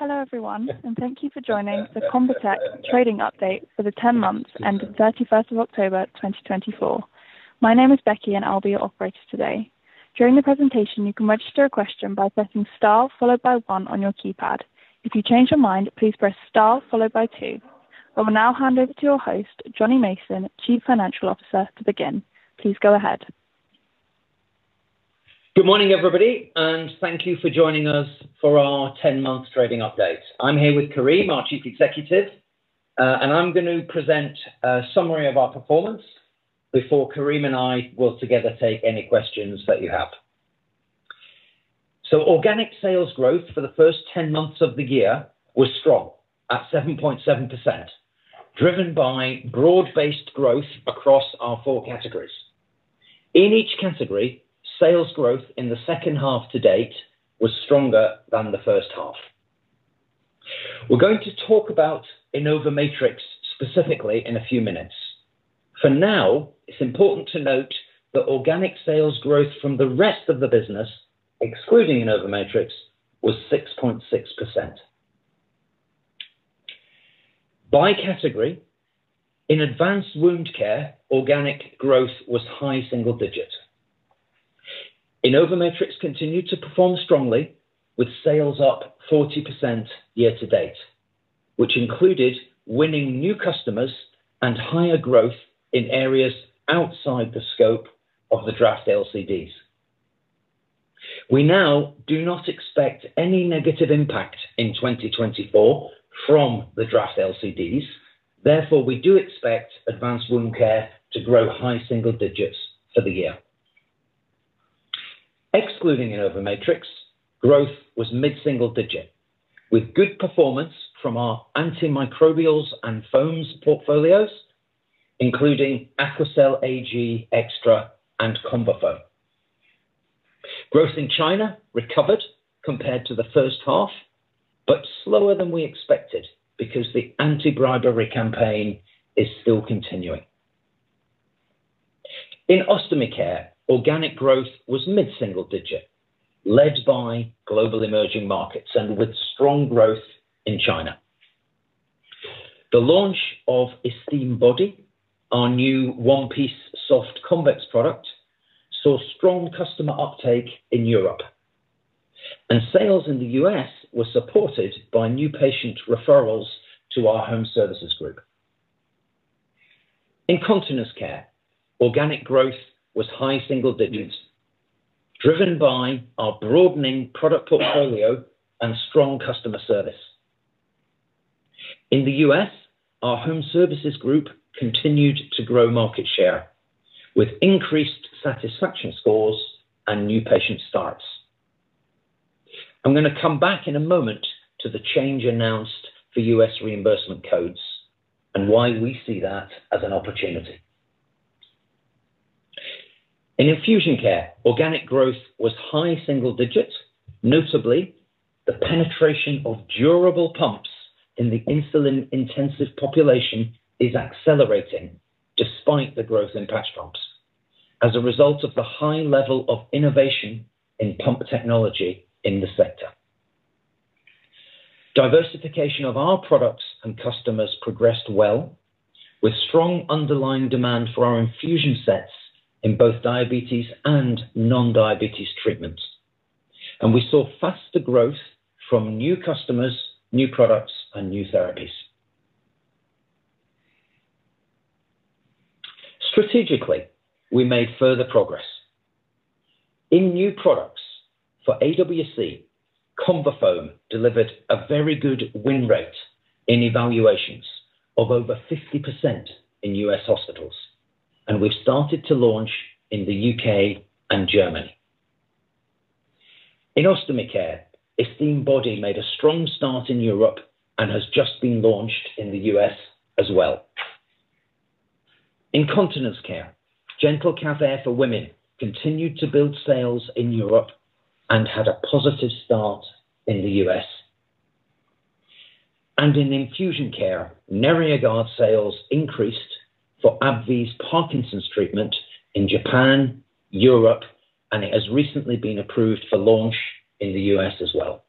Hello everyone and thank you for joining the Convatec trading update for the 10 months ended 31st of October 2024. My name is Becky and I'll be your operator today. During the presentation you can register a question by pressing star followed by one on your keypad. If you change your mind, please press star followed by two. I will now hand over to your host Jonny Mason, Chief Financial Officer to begin. Please go ahead. Good morning, everybody, and thank you for joining us for our 10-month trading update. I'm here with Karim, our Chief Executive, and I'm going to present a summary of our performance before Karim and I will together take any questions that you have. So organic sales growth for the first 10 months of the year was strong at 7.7% driven by broad-based growth across our four categories. In each category, sales growth in the second half to date was stronger than the first half. We're going to talk about InnovaMatrix specifically in a few minutes. For now, it's important to note that organic sales growth from the rest of the business excluding InnovaMatrix was 6.6% by category. In advanced Wound Care, organic growth was high single digit. InnovaMatrix continued to perform strongly with sales up 40% year to date, which included winning new customers and higher growth in areas outside the scope of the draft LCDs. We now do not expect any negative impact in 2024 from the draft LCDs. Therefore we do expect advanced Wound Care to grow high single digits for the year. Excluding InnovaMatrix growth was mid-single-digit with good performance from our antimicrobials and foams portfolios including AQUACEL Ag+ Extra and ConvaFoam. Growth in China has recovered compared to the first half but slower than we expected because the anti-bribery campaign is still continuing. In Ostomy Care, organic growth was mid-single-digit led by global emerging markets and with strong growth in China. The launch of Esteem Body, our new one-piece soft convex product, saw strong customer uptake in Europe and sales in the U.S. were supported by new patient referrals to our Home Services Group. In Continence Care, organic growth was high-single-digits driven by our broadening product portfolio and strong customer service. In the U.S., our Home Services Group continued to grow market share with increased satisfaction scores and new patient starts. I'm going to come back in a moment to the change announced for U.S. reimbursement codes and why we see that as an opportunity. In Infusion Care, organic growth was high single digit. Notably, the penetration of durable pumps in the insulin intensive population is accelerating despite the growth in patch pumps as a result of the high level of innovation in pump technology in the sector, diversification of our products and customers progressed well with strong underlying demand for our infusion sets in both diabetes and non-diabetes treatments and we saw faster growth from new customers, new products and new therapies. Strategically, we made further progress in new products for AWC. ConvaFoam delivered a very good win rate in evaluations of over 50% in U.S. hospitals and we've started to launch in the U.K. and Germany. In Ostomy Care Esteem Body made a strong start in Europe and has just been launched in the U.S. as well. In Continence Care GentleCath Air for Women continued to build sales in Europe and had a positive start in the U.S. And in Infusion Care, Neria Guard sales increased for AbbVie's Parkinson's treatment in Japan, Europe, and it has recently been approved for launch in the U.S. as well.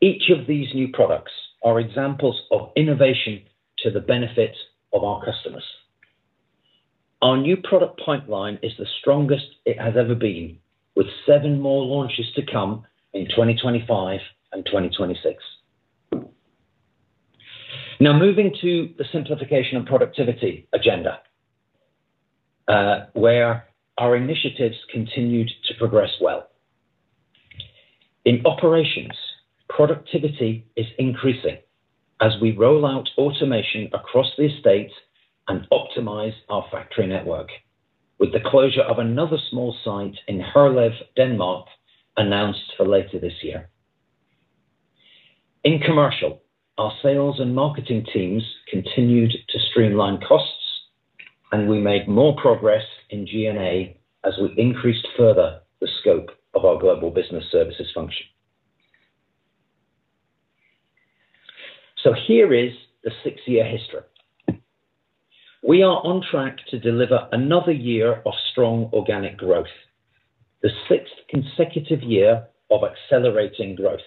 Each of these new products are examples of innovation to the benefit of our customers. Our new product pipeline is the strongest it has ever been with seven more launches to come in 2025 and 2026. Now moving to the simplification and productivity agenda where our initiatives continued to progress well in operations, productivity is increasing as we roll out automation across the estate and optimize our factory network with the closure of another small site in Herlev, Denmark, announced for later this year. In commercial, our sales and marketing teams continued to streamline costs and we made more progress in G&A as we increased further the scope of our global business services function. So here is the six-year history. We are on track to deliver another year of strong organic growth, the sixth consecutive year of accelerating growth,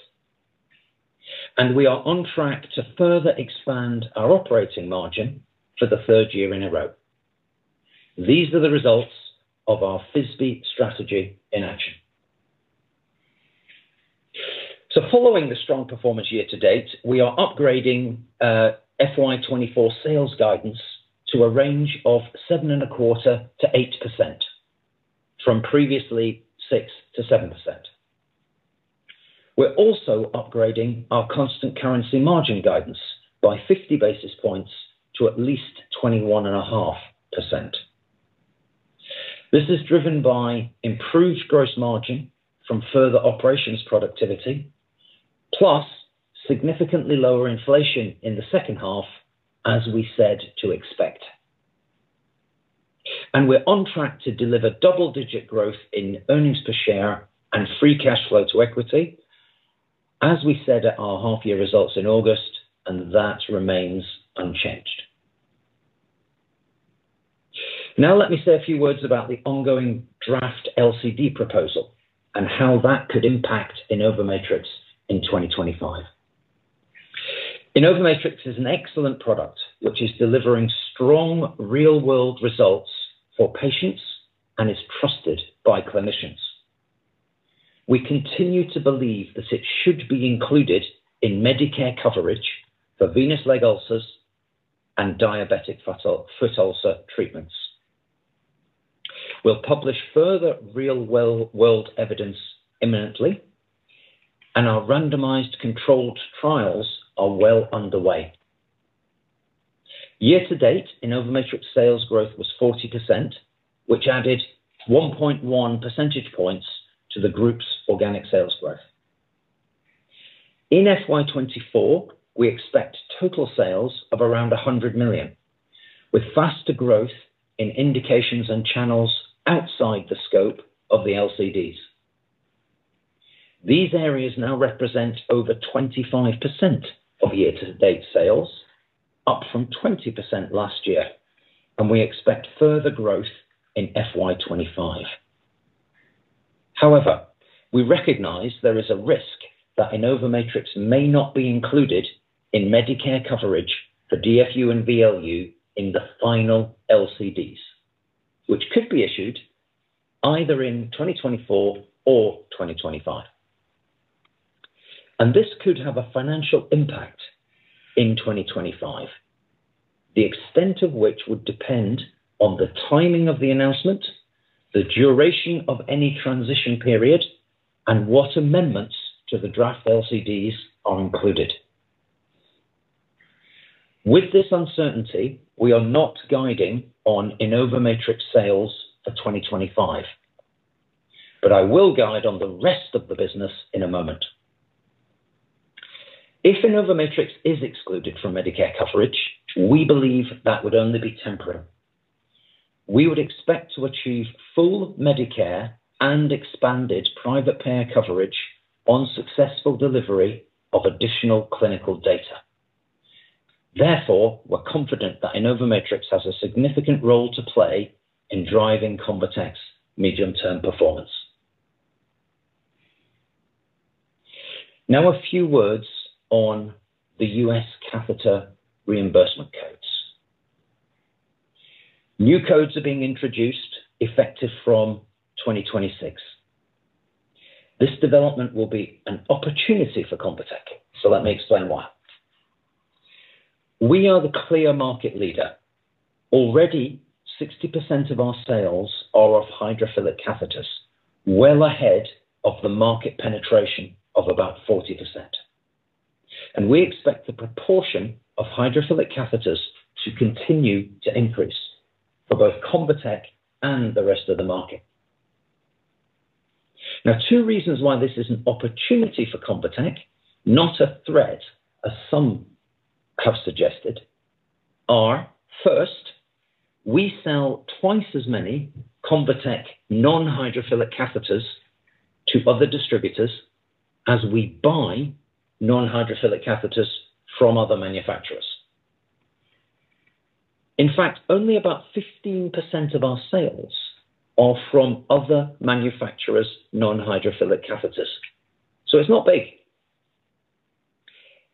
and we are on track to further expand our operating margin for the third year in a row. These are the results of our FISBE strategy in action. So following the strong performance year to date, we are upgrading FY 2024 sales guidance to a range of 7.25%-8% from previously 6%-7%. We're also upgrading our constant currency margin guidance by 50 basis points to at least 21.5%. This is driven by improved gross margin from further operations productivity plus significantly lower inflation in the second half as we said to expect. We're on track to deliver double-digit growth in earnings per share and free cash flow to equity, as we said at our half-year results in August, and that remains unchanged. Now let me say a few words about the ongoing draft LCD proposal and how that could impact InnovaMatrix in 2025. InnovaMatrix is an excellent product which is delivering strong real-world evidence for patients and is trusted by clinicians. We continue to believe that it should be included in Medicare coverage for venous leg ulcers and diabetic foot ulcer treatments. We'll publish further real-world evidence imminently and our randomized controlled trials are well underway. Year-to-date InnovaMatrix sales growth was 40% which added 1.1 percentage points to the group's organic sales growth. In FY 2024 we expect total sales of around $100 million with faster growth in indications and channels outside the scope of the LCDs. These areas now represent over 25% of year to date sales, up from 20% last year and we expect further growth in FY 2025. However, we recognize there is a risk that InnovaMatrix may not be included in Medicare coverage for DFU and VLU in the final LCDs which could be issued either in 2024 or 2025. And this could have a financial impact in 2025, the extent of which would depend on the timing of the announcement, the duration of any transition period and what amendments to the draft LCDs are included. With this uncertainty we are not guiding on InnovaMatrix sales for 2025, but I will guide on the rest of the business in a moment. If InnovaMatrix is excluded from Medicare coverage, we believe that would only be temporary. We would expect to achieve full Medicare and expanded private payer coverage on successful delivery of additional clinical data. Therefore, we're confident that InnovaMatrix has a significant role to play in driving Convatec's medium term performance. Now a few words on the U.S. catheter reimbursement codes. New codes are being introduced effective from 2026. This development will be an opportunity for Convatec. So let me explain why. We are the clear market leader. Already 60% of our sales are of hydrophilic catheters, well ahead of the market penetration of about 40% and we expect the proportion of hydrophilic catheters to continue to increase for both Convatec and the rest of the market. Now, two reasons why this is an opportunity for Convatec, not a threat as some have suggested are first, we sell twice as many Convatec non-hydrophilic catheters to other distributors as we buy non-hydrophilic catheters from other manufacturers. In fact, only about 15% of our sales are from other manufacturers non-hydrophilic catheters. So it's not big.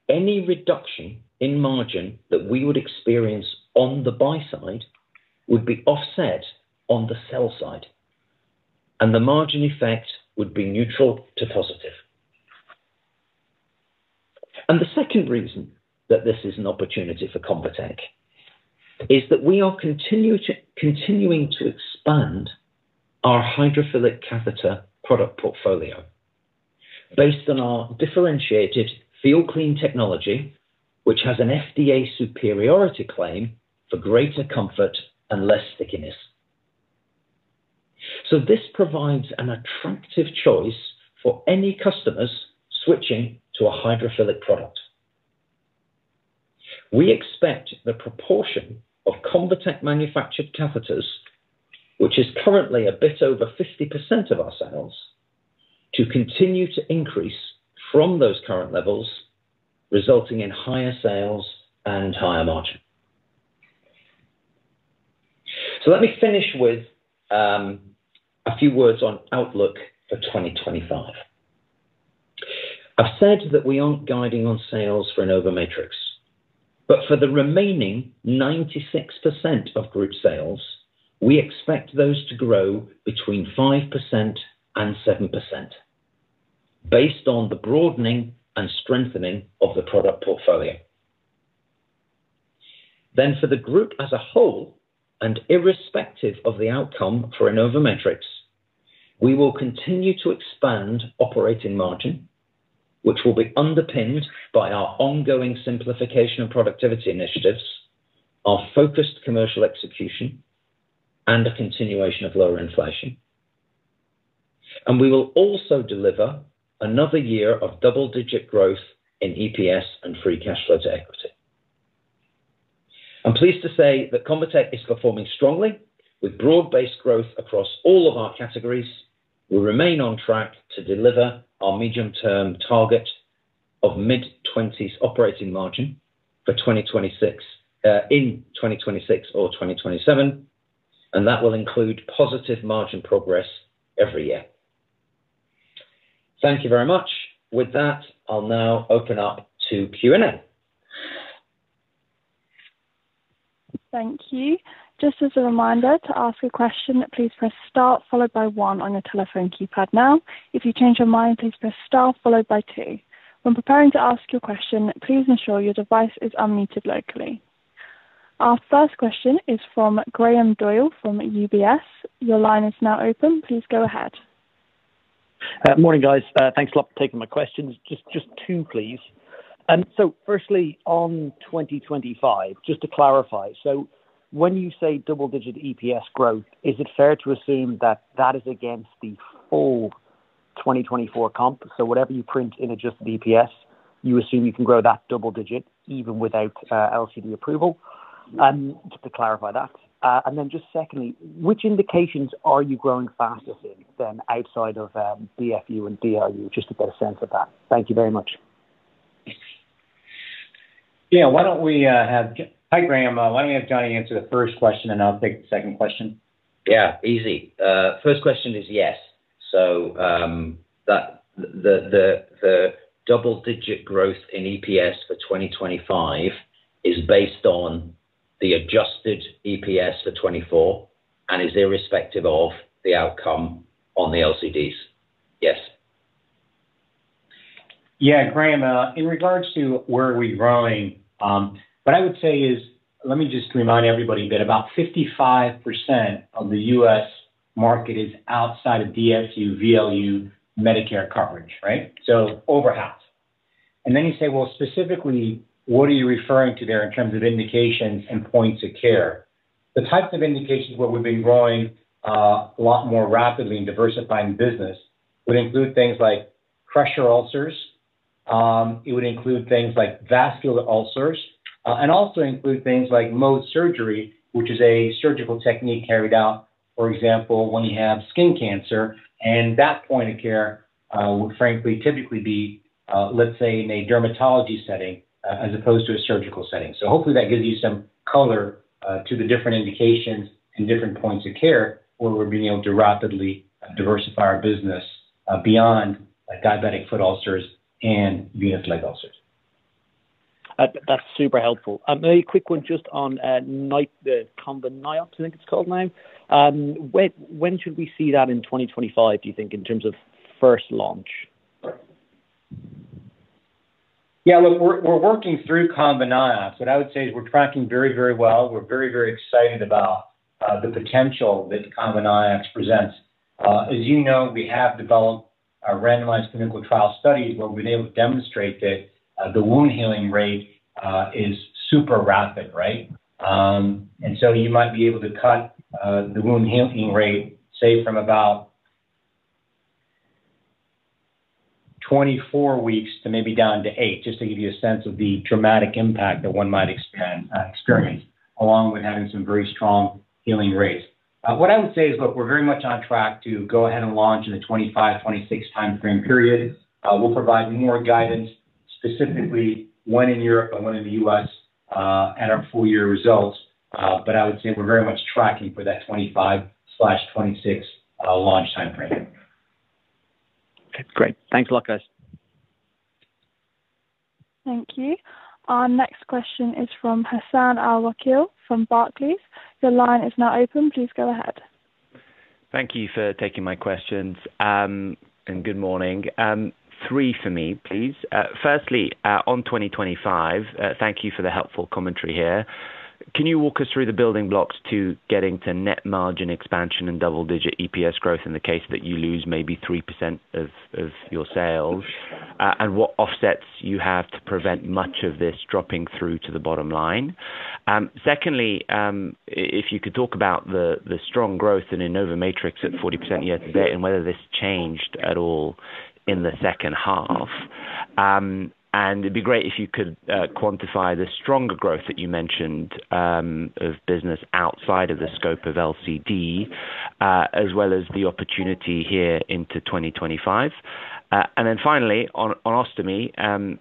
Any reduction in margin that we would experience on the buy side would be offset on the sell side and the margin effect would be neutral to positive. And the second reason that this is an opportunity for Convatec is that we are continuing to expand our hydrophilic catheter product portfolio based on our differentiated FeelClean Technology, which has an FDA superiority claim for greater comfort and less stickiness. So this provides an attractive choice for any customers switching to a hydrophilic product. We expect the proportion of Convatec manufactured catheters, which is currently a bit over 50% of our sales, to continue to increase from those current levels, resulting in higher sales and higher margin. So let me finish with a few words on outlook for 2025. I've said that we aren't guiding on sales for an InnovaMatrix, but for the remaining 96% of group sales, we expect those to grow between 5% and 7% based on the broadening and strengthening of the product portfolio. Then, for the group as a whole and irrespective of the outcome for InnovaMatrix, we will continue to expand operating margin, which will be underpinned by our ongoing simplification and productivity initiatives, our focused commercial execution and a continuation of lower inflation. And we will also deliver another year of double-digit growth in EPS and free cash flow to equity. I'm pleased to say that Convatec is performing strongly with broad-based growth across all of our categories. We remain on track to deliver our medium-term target of mid-20s operating margin for 2026, in 2026 or 2027 and that will include positive margin progress every year. Thank you very much. With that, I'll now open up to Q&A. Thank you. Just as a reminder to ask a question, please press star followed by one on your telephone keypad. Now if you please, press star followed by two. When preparing to ask your question, please ensure your device is unmuted locally. Our first question is from Graham Doyle from UBS. Your line is now open. Please go ahead. Morning guys. Thanks a lot for taking my questions. Just, just two, please. And so firstly, on 2025, just to clarify, so when you say double digit EPS growth, is it fair to assume that that is against the full 2024 comp? So whatever you print in adjusted EPS, you assume you can grow that double digit even without LCD approval, to clarify that. And then just secondly, which indications are you growing fastest in other than DFU and VLU? Just to get a sense of that, thank you very much. Hi Graham, why don't we have Jonny answer the first question and I'll take the second question. Yeah, easy. First question is. Yes, so the double-digit growth in EPS for 2025 is based on the adjusted EPS for 2024 and is irrespective of the outcome on the LCDs. Yes. Yeah. Graham, in regards to where we're going? What I would say is let me just remind everybody that about 55% of the U.S. market is outside of DFU VLU Medicare coverage. Right. So over half. And then you say, well specifically what are you referring to there in terms of indications and points of care? The types of indications where we've been growing a lot more rapidly in diversifying business would include things like pressure ulcers, it would include things like venous ulcers and also include things like Mohs surgery, which is a surgical technique carried out, for example, when you have skin cancer, and that point of care would frankly typically be, let's say, in a dermatology setting as opposed to a surgical setting, so hopefully that gives you some color to the different indications and different points of care where we're being able to rapidly diversify our business beyond diabetic foot ulcers and venous leg ulcers. That's super helpful. A quick one just on InnovaMatrix I think it's called now when should we see that in 2025, do you think, in terms of first launch? Yeah, look we're working through ConvaNiox. What I would say is we're tracking very, very well. We're very, very excited about the potential that InnovaMatrix presents. As you know, we have developed a randomized clinical trial studies where we're able to demonstrate that the wound healing rate is super rapid. Right. And so you might be able to cut the wound healing rate say from about 24 weeks to maybe down to eight. Just to give you a sense of the dramatic impact that one might experience along with having some very strong healing rates. What I would say is, look, we're very much on track to go ahead and launch in the 2025-2026 time frame period. We'll provide more guidance specifically when in Europe and when in the U.S. at our full year results. But I would say we're very much tracking for that 2025/2026 launch time frame. Great, thanks a lot guys. Thank you. Our next question is from Hassan Al-Wakeel from Barclays. The line is now open. Please go ahead. Thank you for taking my questions and good morning. Three for me please. Firstly on 2025. Thank you for the helpful commentary here. Can you walk us through the building blocks to getting to net margin expansion and double digit EPS growth in the case that you lose maybe 3% of your sales and what offsets you have to prevent much of this dropping through to the bottom line. Secondly, if you could talk about the strong growth in InnovaMatrix at 40% year to date and whether this changed at all in the second half and it'd be great if you could quantify the stronger growth that you mentioned of business outside of the scope of LCD as well as the opportunity here into 2025, and then on Ostomy,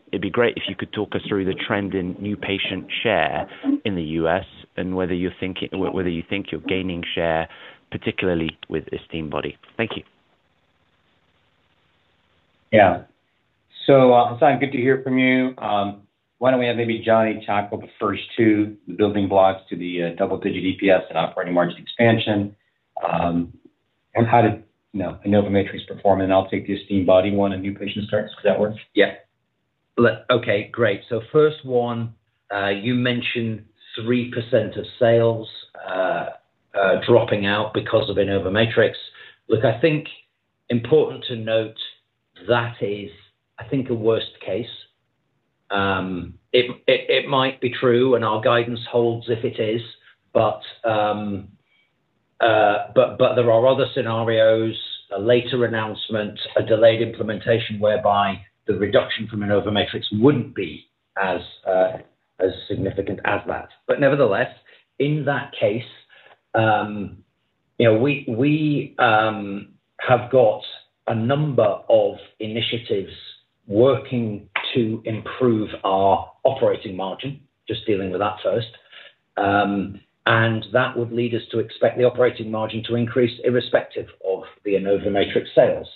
it'd be great if you could talk us through the trend in new patient share in the U.S. and whether you're thinking, where do you think you're gaining share, particularly with Esteem Body. Thank you. Yeah. So Hassan, good to hear from you. Why don't we have maybe Jonny tackle the first two building blocks to the double-digit EPS and operating margin expansion and how the InnovaMatrix will perform. And I'll take the Esteem Body one. A new patient starts. Does that work? Yeah, okay, great. So first one you mentioned 3% of sales dropping out because of InnovaMatrix. Look, I think important to note that is. I think a worst case. It might be true and our guidance holds if it is. But there are other scenarios. A later announcement, a delayed implementation whereby the reduction from InnovaMatrix wouldn't be as significant as that. But nevertheless, in that case we have got a number of initiatives working to improve our operating margin. Just dealing with that first and that would lead us to expect the operating margin to increase irrespective of the InnovaMatrix sales.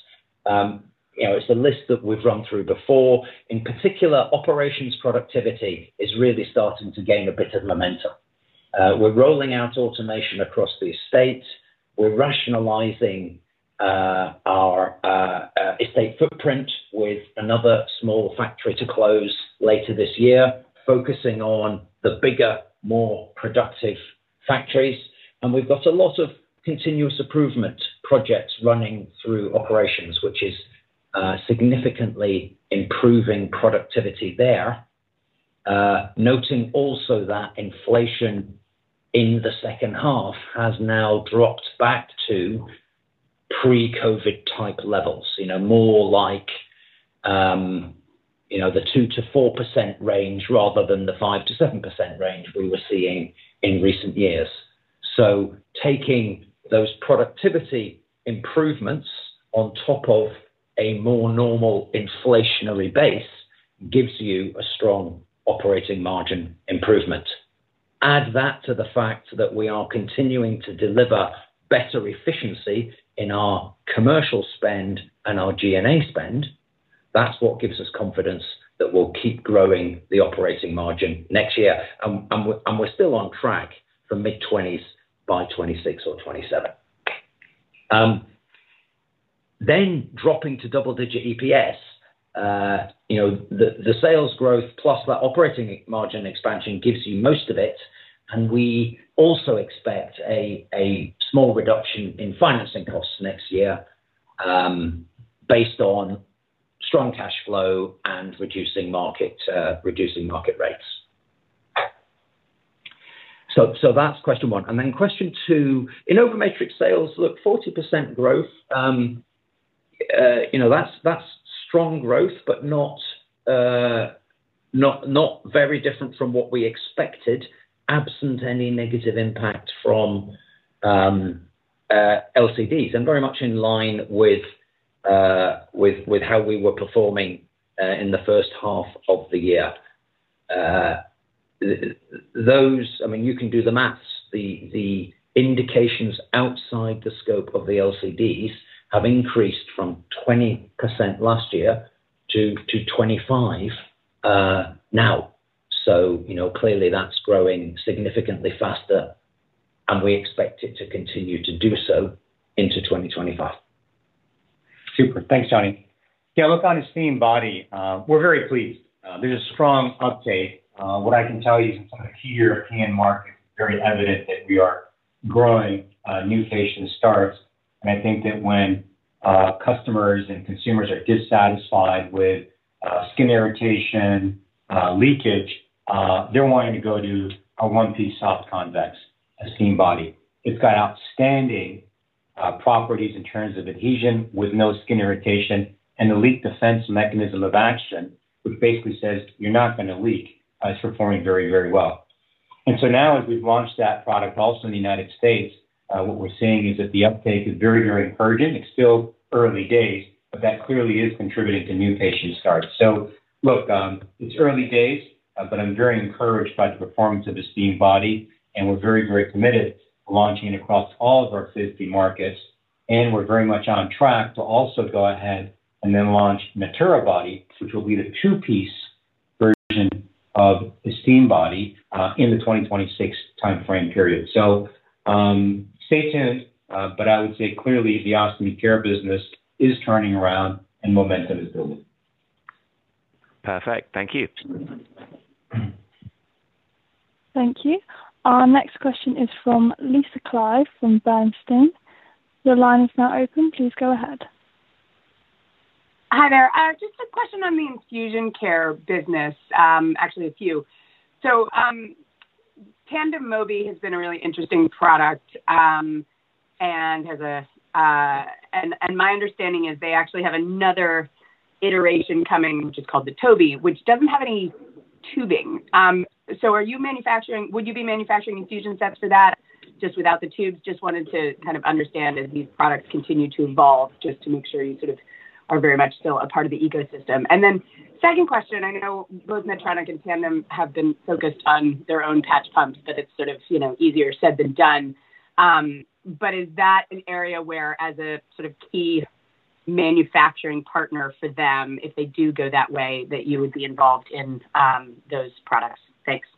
You know, it's the list that we've run through before. In particular operations productivity is really starting to gain a bit of momentum. We're rolling out automation across the estate. We're rationalizing our estate footprint with another small factory to close later this year, focusing on the bigger, more productive factories. And we've got a lot of continuous improvement projects running through operations, which is significantly improving productivity there. Noting also that inflation in the second half has now dropped back to pre-COVID-type levels more like the 2%-4% range rather than the 5%-7% range we were seeing in recent years. So taking those productivity improvements on top of a more normal inflationary base gives you a strong operating margin improvement. Add that to the fact that we are continuing to deliver better efficiency in our commercial spend and our G&A spend. That's what gives us confidence that we'll keep growing the operating margin next year and we're still on track for mid-20s by 2026 or 2027, then dropping to double-digit EPS. The sales growth plus that operating margin expansion gives you most of it. We also expect a small reduction in financing costs next year based on strong cash flow and reducing market rates. So that's question one and then question two. In InnovaMatrix sales, look, 40% growth, you know, that's strong growth but not very different from what we expected. Absent any negative impact from LCDs and very much in line with how we were performing in the first half of the year. Those, I mean, you can do the math. The indications outside the scope of the LCDs have increased from 20% last year to 25% now. So clearly that's growing significantly faster and we expect it to continue to do so into 2025. Super. Thanks Jonny. Yeah, look at Esteem Body, we're very pleased there's a strong update. What I can tell you, some of the key European markets very evident that we are growing new patient starts. And I think that when customers and consumers are dissatisfied with skin irritation leakage, they're wanting to go to a one-piece soft convex Esteem Body. It's got outstanding properties in terms of adhesion with no skin irritation and the leak defense mechanism of action which basically says you're not going to leak. It's performing very, very well. And so now as we've launched that product also in the United States, what we're seeing is that the uptake is very, very urgent. It's still early days but that clearly is contributing to new patient starts. So look, it's early days but I'm very encouraged by the performance of the Esteem Body and we're very, very committed launching it across all of our 50 markets, and we're very much on track to also go ahead and then launch Natura Body, which will be the two-piece version of Esteem Body in the 2026 time frame period, so stay tuned, but I would say clearly the Ostomy Care business is turning around and momentum is building. Perfect, thank you. Thank you. Our next question is from Lisa Clive from Bernstein. The line is now open. Please go ahead. Hi there, just a question on the Infusion Care business. Actually a few. So, Tandem Mobi has been a really interesting product. And my understanding is they actually have another iteration coming which is called the Tobi, which doesn't have any tubing. Are you manufacturing, would you be manufacturing infusion sets for that just without the tubes? Just wanted to kind of understand as these products continue to evolve, just to make sure you sort of are very much still a part of the ecosystem. And then second question, I know, both Medtronic and Tandem have been focused on. Their own patch pumps, but it's sort of, you know, easier said than done. But is that an area where, as a sort of key manufacturing partner for them, if they do go that way that you would be involved in those products? Thanks.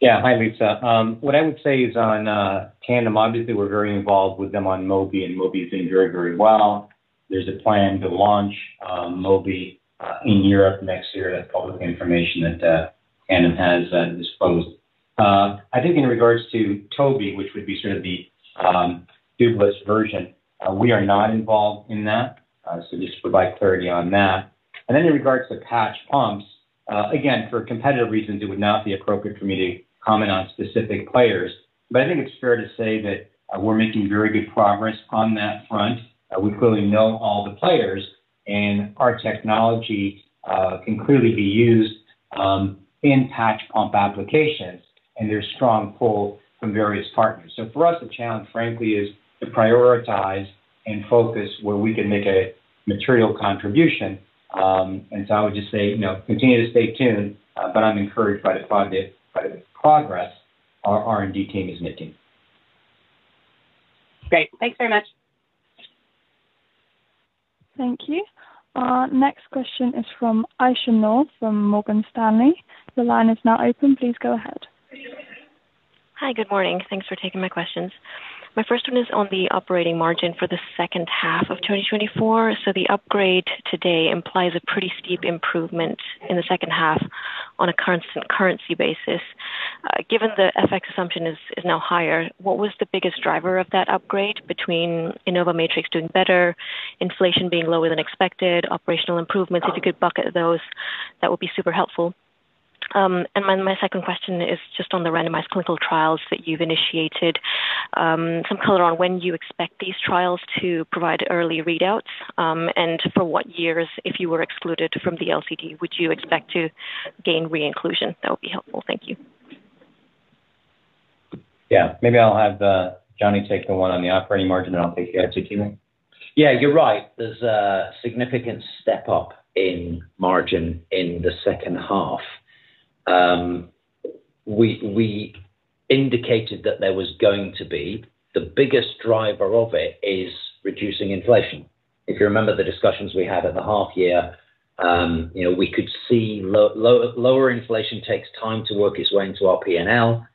Yeah. Hi, Lisa. What I would say is on Tandem, obviously we're very involved with them on Mobi, and Mobi is doing very, very well. There's a plan to launch Mobi in Europe next year. That's public information. And it has to do, I think, in regards to Tobi, which would be sort of the durable version. We are not involved in that. So just provide clarity on that. And then in regards to patch pumps, again, for competitive reasons, it would not be appropriate for me to comment on specific players, but I think it's fair to say that we're making very good progress on that front. We clearly know all the players and our technology can clearly be used in patch pump applications and there's strong pull from various partners. So for us, the challenge, frankly, is to prioritize and focus where we can make a material contribution. And so I would just say continue to stay tuned, but I'm encouraged by the progress our R&D team is making. Great. Thanks very much. Thank you. Our next question is from Aisyah Noor from Morgan Stanley. The line is now open. Please go ahead. Hi, good morning. Thanks for taking my questions. My first one is on the operating margin for the second half of 2024. So the upgrade today implies a pretty steep improvement in the second half on a constant currency basis, given the FX assumption is now higher. What was the biggest driver of that upgrade between InnovaMatrix doing better, inflation being lower, expected operational improvements. If you could bucket those, that would be super helpful. And my second question is just on the randomized clinical trials that you've initiated some color on. When you expect these trials to provide early readouts and for what years, if you were excluded from the LCD, would you expect to gain re-inclusion? That would be helpful, thank you. Yeah, maybe. I'll have Jonny take the one on the operating margin and I'll take the LCD one. Yeah, you're right. There's a significant step up in margin in the second half, we indicated that there was going to be. The biggest driver of it is reducing inflation. If you remember the discussions we had at the half year, we could see lower inflation takes time to work its way into our P&L.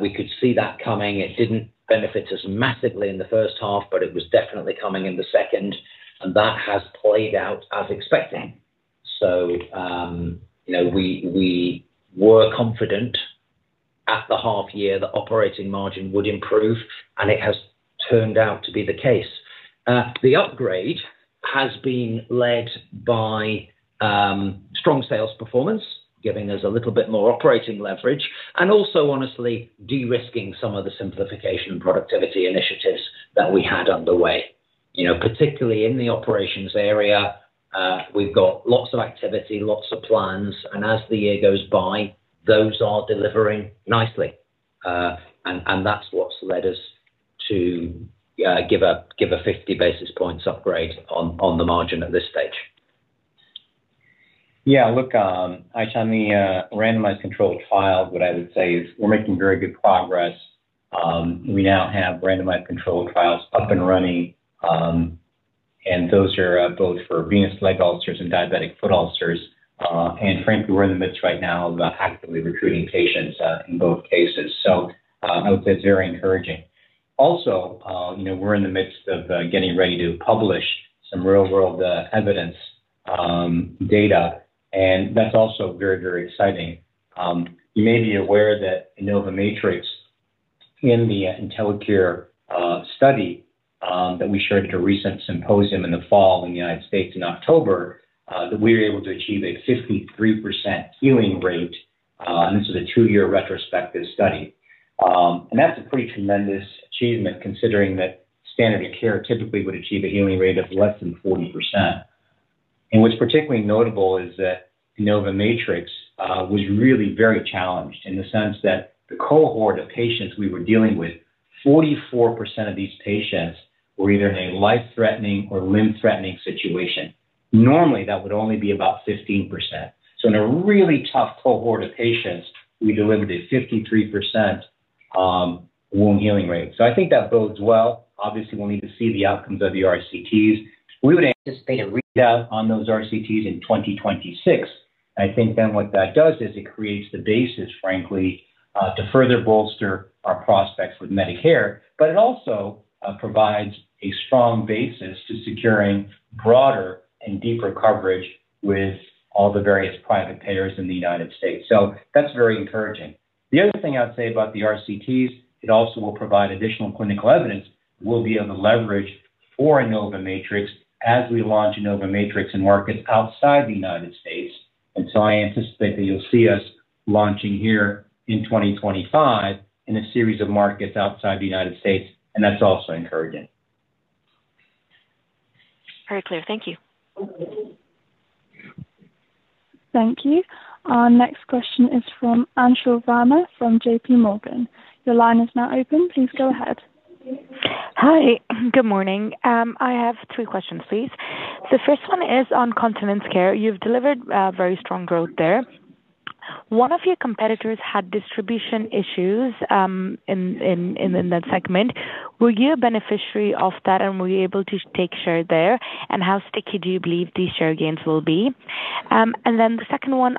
We could see that coming. It didn't benefit as massively in the first half, but it was definitely coming in the second. And that has played out as expected. So, you know, we were confident at the half year the operating margin would improve and it has turned out to be the case. The upgrade has been led by strong sales performance, giving us a little bit more operating leverage and also honestly de-risking some of the simplification productivity initiatives that we had underway. You know, particularly in the operations area. We've got lots of activity, lots of plans, and as the year goes by, those are delivering nicely, and that's what's led us to give a 50 basis points upgrade on the margin at this stage. Yeah, look on the randomized controlled trial. What I would say is we're making very good progress. We now have randomized controlled trials up and running and those are both for venous leg ulcers and diabetic foot ulcers. And frankly, we're in the midst right now of actively recruiting patients in both cases. So I would say it's very encouraging. Also, we're in the midst of getting ready to publish some real world evidence data and that's also very, very exciting. You may be aware that InnovaMatrix, in the Intellicure study that we shared at a recent symposium in the fall in the United States in October, that we were able to achieve a 53% healing rate. This is a two-year retrospective study. That's a pretty tremendous achievement considering. That standard of care typically would achieve a healing rate of less than 40%. And what's particularly notable is that InnovaMatrix was really very challenged in the sense that the cohort of patients we were dealing with, 44% of these patients were either in a life-threatening or limb-threatening situation. Normally that would only be about 15%. So in a really tough cohort of patients, we delivered a 53% wound healing rate. So I think that bodes well. Obviously we'll need to see the outcomes of the RCTs. We would anticipate a readout on those RCTs in 2026. I think then what that does is it creates the basis, frankly to further bolster our prospects with Medicare. But it also provides a strong basis to securing broader and deeper coverage with all the various private payers in the United States. So that's very encouraging. The other thing I'd say about the RCTs is it also will provide additional clinical evidence we'll be able to leverage for InnovaMatrix as we launch InnovaMatrix in markets outside the United States. I anticipate that you'll see us launching here in 2025 in a series of markets outside the United States, and that's also encouraging. Very clear. Thank you. Thank you. Our next question is from Anshul Verma from JPMorgan. Your line is now open. Please go ahead. Hi, good morning. I have three questions, please. The first one is on Continence Care. You've delivered very strong growth there. One of your competitors had distribution issues in that segment. Were you a beneficiary of that and were you able to take share there? And how sticky do you believe these share gains will be? And then the second one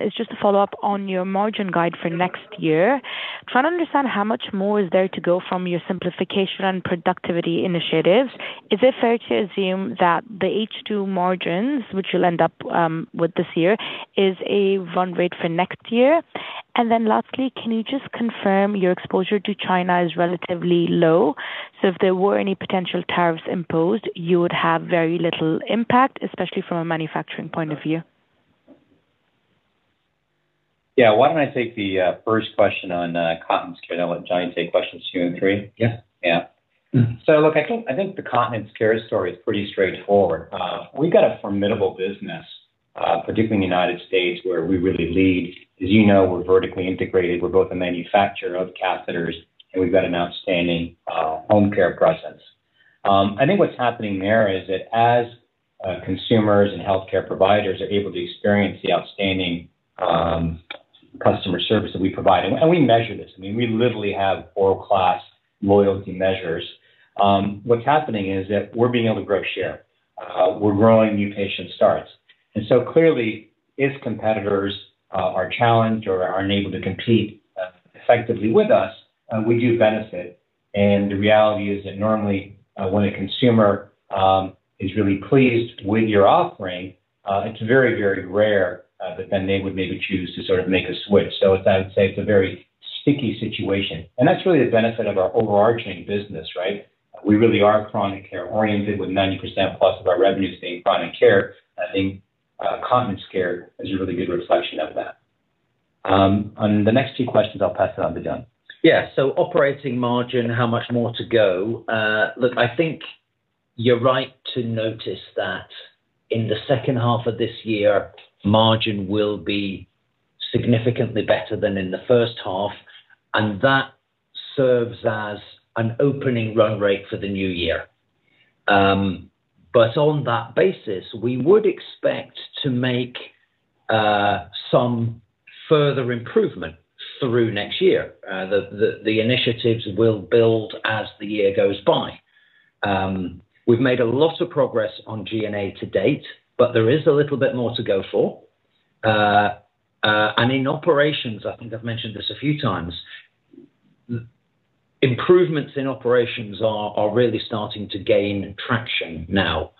is just a follow up on your margin guide for next year, trying to understand how much more is there to go from your simplification and productivity initiatives. Is it fair to assume that the H2 margins, which you'll end up with this year, is a run rate for next year? Lastly, can you just confirm your exposure to China is relatively low, so if there were any potential tariffs imposed, you would have very little impact, especially from a manufacturing point of view? Yeah. Why don't I take the first question on Continence Care and I'll let JoNnny take questions two and three. Yeah, yeah. So look, I think the Continence Care story is pretty straightforward. We've got a formidable business, particularly in the United States, where we really lead. As you know, we're vertically integrated, we're both a manufacturer of catheters, and we've got an outstanding home care presence. I think what's happening there is that as consumers and health care providers are able to experience the outstanding customer service that we provide and we measure this, I mean, we literally have world class loyalty measures. What's happening is that we're being able to grow share, we're growing new patient starts. And so clearly, if competitors are challenged or aren't able to compete effectively with us we do benefit, and the reality is that normally when a consumer is really pleased with your offering, it's very, very rare that then they would maybe choose to sort of make a switch. So I would say it's a very sticky situation and that's really the benefit of our overarching business. Right. We really are chronic care oriented with 90%+ of our revenue staying chronic care. I think Continence Care is a really good reflection of that. On the next few questions, I'll pass over to Jon. Yeah. So operating margin, how much more to go? Look, I think you're right to notice that in the second half of this year, margin will be significantly better than in the first half. And that serves as an opening run rate for the new year. But on that basis we would expect to make some further improvement through next year. The initiatives will build as the year goes by. We've made a lot of progress on GNA to date, but there is a little bit more to go for. And in operations, I think I've mentioned this a few times, improvements in operations are really starting to gain traction now.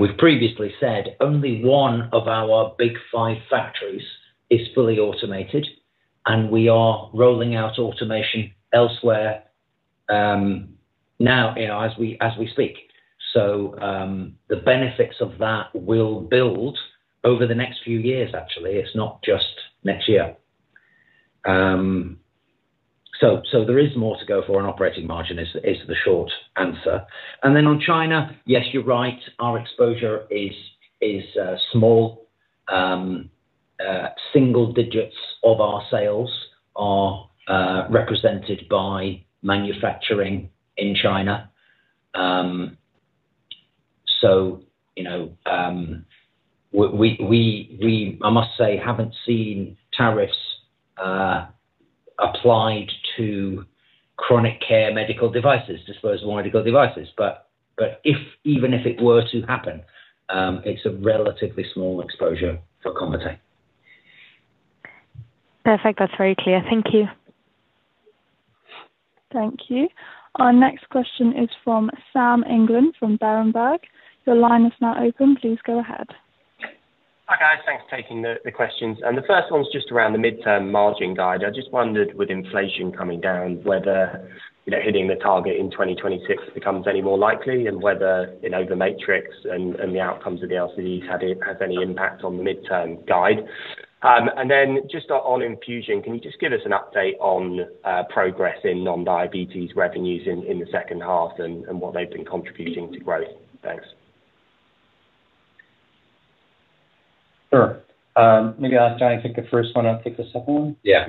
We've previously said only one of our big five factories is fully automated and we are rolling out automation elsewhere now as we speak. So the benefits of that will build over the next few years. Actually, it's not just next year. So there is more to go for. An operating margin is the short answer. And then on China, yes, you're right, our exposure is small. Single digits of our sales are represented by manufacturing in China. So, you know, we, I must say, haven't seen tariffs applied to chronic care, medical devices, disposable medical devices. But if, even if it were to happen, it's a relatively small exposure for Convatec. Perfect. That's very clear. Thank you. Thank you. Our next question is from Sam England from Berenberg. Your line is now open. Please go ahead. Hi, guys. Thanks for taking the questions. And the first one's just around the midterm margin guide. I just wondered, with inflation coming down, whether hitting the target in 2026 becomes any more likely and whether, you know, the InnovaMatrix and the outcomes of the LCD has any impact on the midterm guide. And then just on Infusion, can you just give us an update on progress in non-diabetes revenues in the second half and what they've been contributing to growth. Thanks. Sure. Maybe I'll ask Jonny to take the first one. I'll take the second one. Yeah,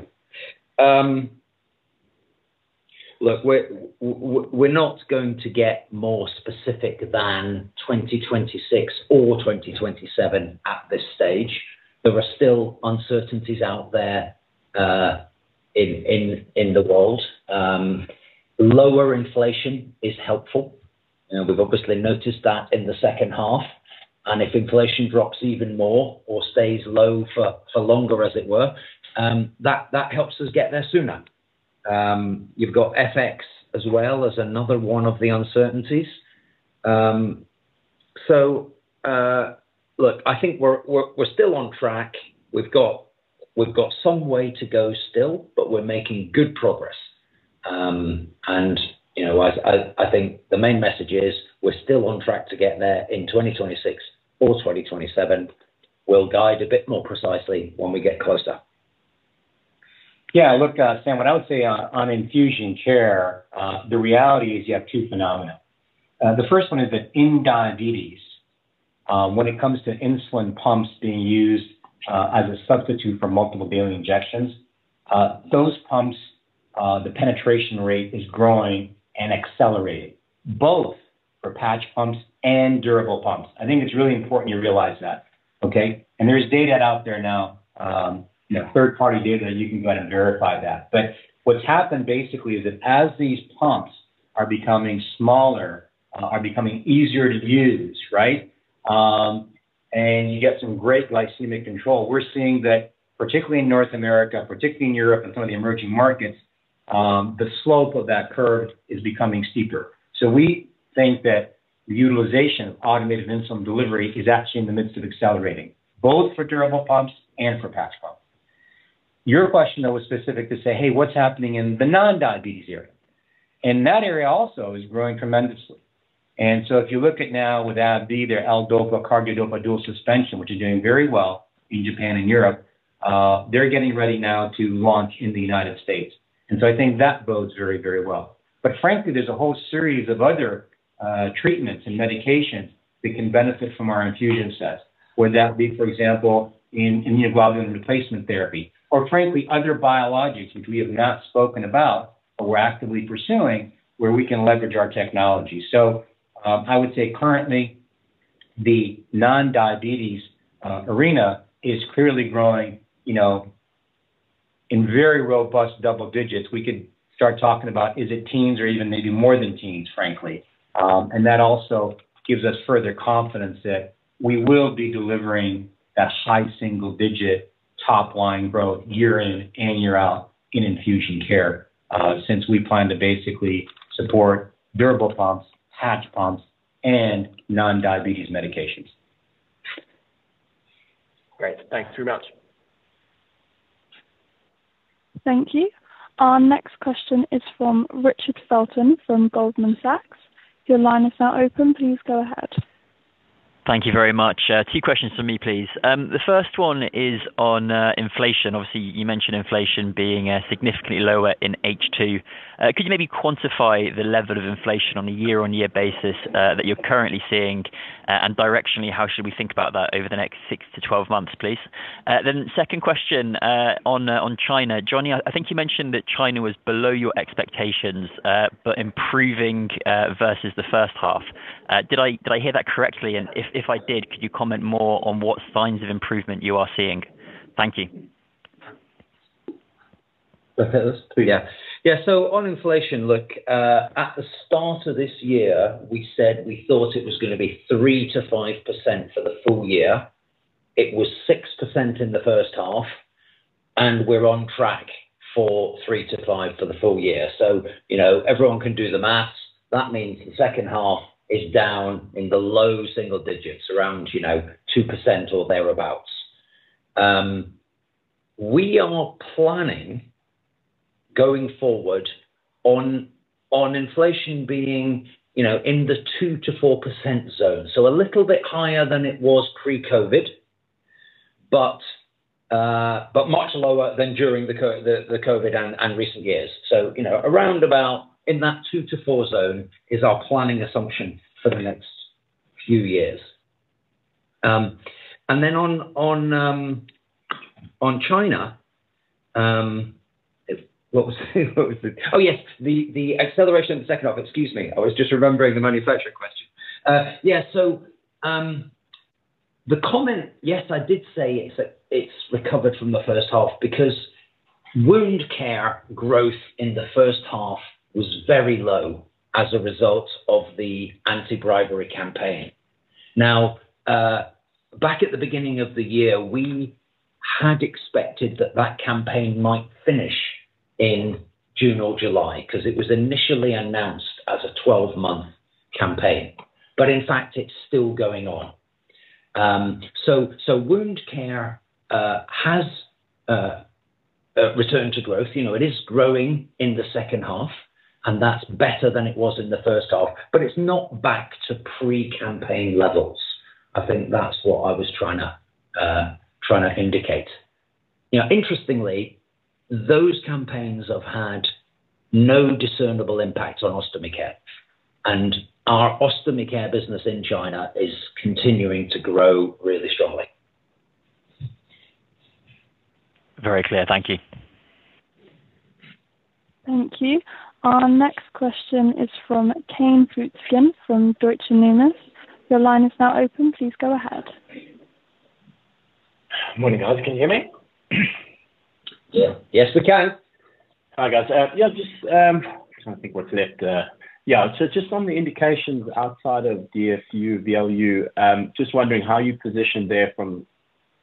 look, we're not going to get more specific than 2026 or 2027 at this. There are still uncertainties out there in the world. Lower inflation is helpful, we've obviously noticed that in the second half. And if inflation drops even more or stays low for longer, as it were, that helps us get there sooner. You've got FX as well as another one of the uncertainties. So, look, I think we're still on track. We've got some way to go still, but we're making good progress. And I think the main message is we're still on track to get there in 2026 or 2027. We'll guide a bit more precisely when we get closer. Yeah, look, Sam, what I would say on Infusion Care, the reality is you have two phenomena. The first one is that in diabetes, when it comes to insulin pumps being used as a substitute for multiple daily injections. Those pumps, the penetration rate is growing and accelerating both for patch pumps and durable pumps. I think it's really important you realize that. Okay. There's data out there now, third party data, you can go ahead and verify that. But what's happened basically is that as these pumps are becoming smaller, are becoming easier to use, right. You get some great glycemic control. We're seeing that particularly in North America, particularly in Europe and some of the emerging markets, the slope of that curve is becoming steeper. We think that the utilization of automated insulin delivery is actually in the midst of accelerating both for durable pumpsa nd for patch pumps. Your question that was specific to say, hey, what's happening in the non-diabetes area? And that area also is growing tremendously. And so if you look at now with AbbVie, their L-dopa, carbidopa dual suspension, which is doing very well in Japan and Europe, they're getting ready now to launch in the United States. And so I think that bodes very, very well. But frankly, there's a whole series of other treatments and medications that can benefit from our infusion sets, whether that be for example in immunoglobulin replacement therapy or frankly other biologics, which we have not spoken about, but we're actively pursuing where we can leverage our technology. So I would say currently the non-diabetes arena is clearly growing, you know, in very robust double digits. We could start talking about, is it teens or even maybe more than teens, frankly. That also gives us further confidence that we will be delivering that high single digit top line growth year in and year out in Infusion Care, since we plan to basically support durable pumps, patch pumps and non-diabetes medications. Great, thanks very much. Thank you. Our next question is from Richard Felton from Goldman Sachs. Your line is now open. Please go ahead. Thank you very much. Two questions for me, please. The first one is on inflation. Obviously you mentioned inflation being significantly lower in H2. Could you maybe quantify the level of inflation on a year, on year basis that you're currently seeing and directionally, how should we think about that over the next six to 12 months, please. Then second question on, on China, Jonny, I think you mentioned that China was below your expectations but improving versus the first half. Did I, did I hear that correctly? And if I did, could you say more on what signs of improvement you are seeing? Thank you. On inflation, look at the start of this year, we said we thought it was going to be 3%-5% for the full year. It was 6% in the first half and we're on track for 3%-5% for the full year. So everyone can do the math. That means the second half is down in the low single digits around 2% or thereabouts. We are planning going forward on inflation being in the 2%-4% zone. So a little bit higher than it was pre-COVID but much lower than during the COVID and recent years. So around about in that 2%-4% zone is our planning assumption for the next few years and then on, on. On China, what was it? Oh yes, the, the acceleration of the second half. Excuse me, I was just remembering the manufacturing question. Yeah. So the comment. Yes, I did say it's recovered from the first half because Wound Care growth in the first half was very low as a result of the anti-bribery campaign. Now back at the beginning of the year we had expected that that campaign might finish in June or July because it was initially announced as a 12-month campaign but in fact it's still going on, so Wound Care has returned to growth. It is growing in the second half and that's better than it was in the first half, but it's not back to pre-campaign levels. I think that's what I was trying to indicate. Interestingly, those campaigns have had no discernible impact on Ostomy Care and our Ostomy Care business in China is continuing to grow really strongly. Very clear. Thank you. Thank you. Our next question is from Kane Slutzkin from Deutsche Numis. Your line is now open. Please go ahead. Morning guys. Can you hear me? Yes we can. Hi guys. Yeah, just trying to think what's left. Yeah, so just on the indications outside of DFU VLU, just wondering how you position them from.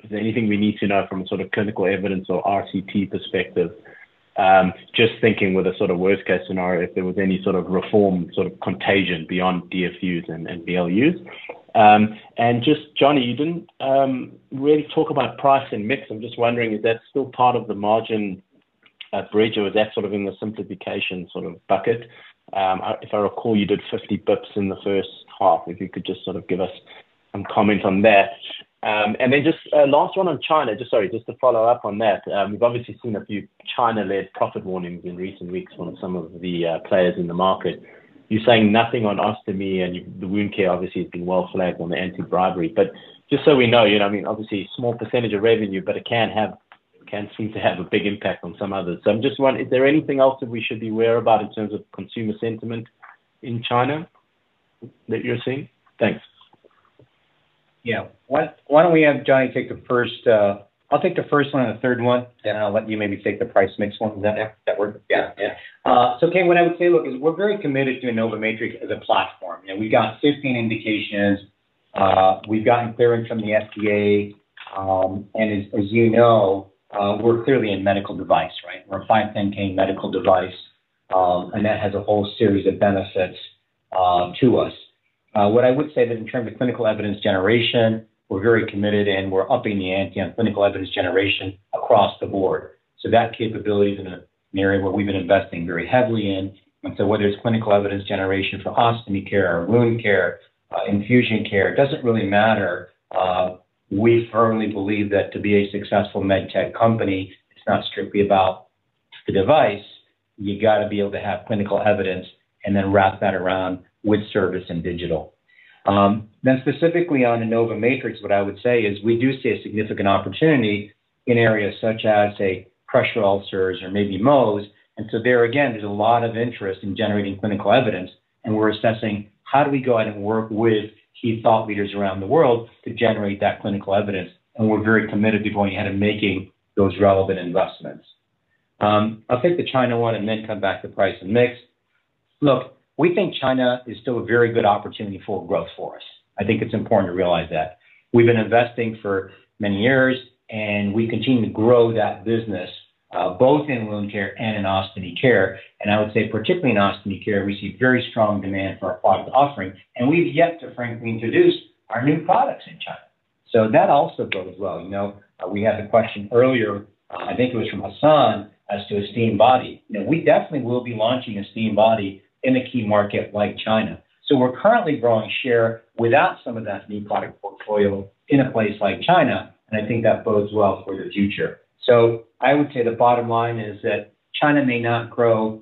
Is there anything we need to know from a sort of clinical evidence or RCT perspective? Just thinking with a sort of worst case scenario if there was any sort of any form of contagion beyond DFUs and VLUs and just. Jonnny, you didn't really talk about price and mix. I'm just wondering, is that still part of the margin bridge or is that sort of in the simplification sort of bucket? If I recall you did 50 basis points in the first half. If you could just sort of give us comment on that and then just last one on China. Just sorry, just to follow up on that, we've obviously seen a few China-led profit warnings in recent weeks. One from some of the players in the market. You're saying nothing on Ostomy and the Wound Care? Obviously has been well flagged on the anti-bribery. But just so we know, you know. I mean obviously small percentage of revenue. But it can seem to have a big impact on some others. I'm just wondering, is there anything else that we should be aware about in terms of consumer sentiment in China that you're seeing? Thanks. Yeah. Why don't we have Jonny take the first, I'll take the first one, the third one, then I'll let you maybe take the price mix one. Yeah. So Kane, what I would say, look, is we're very committed to InnovaMatrix as a platform. You know, we've got 15 indications, we've gotten clearance from the FDA and as you know, we're clearly in medical device. Right. We're a 510k medical device and that has a whole series of benefits to us. What I would say that in terms of clinical evidence generation, we're very committed and we're upping the ante on clinical evidence generation across the board. So that capability is an area where we've been investing very heavily in. And so whether it's clinical evidence generation for Ostomy Care, Wound Care, Infusion Care, it doesn't really matter. We firmly believe that to be a successful med tech company, it's not strictly about the device. You got to be able to have clinical evidence and then wrap that around with service and digital. Then specifically on InnovaMatrix, what I would say is we do see a significant opportunity in areas such as pressure ulcers or maybe Mohs. So there again there's a lot of interest in generating clinical evidence and we're assessing how do we go ahead and work with key thought leaders around the world to generate that clinical evidence. We're very committed to going ahead and making those relevant investments. I'll take the China one and then come back to price and mix. Look, we think China is still a very good opportunity for growth for us. I think it's important to realize that we've been investing for many years and we continue to grow that business both in Wound Care and in Ostomy Care. I would say particularly in Ostomy Care, we see very strong demand for our product offering and we've yet to frankly introduce our new products in China. That also goes well. You know, we had the question earlier. I think it was from Hassan as to an Esteem Body. You know, we definitely will be launching an Esteem Body in a key market like China. So we're currently growing share without some of that new product portfolio in a place like China. And I think that bodes well for the future. So I would say the bottom line is that China may not grow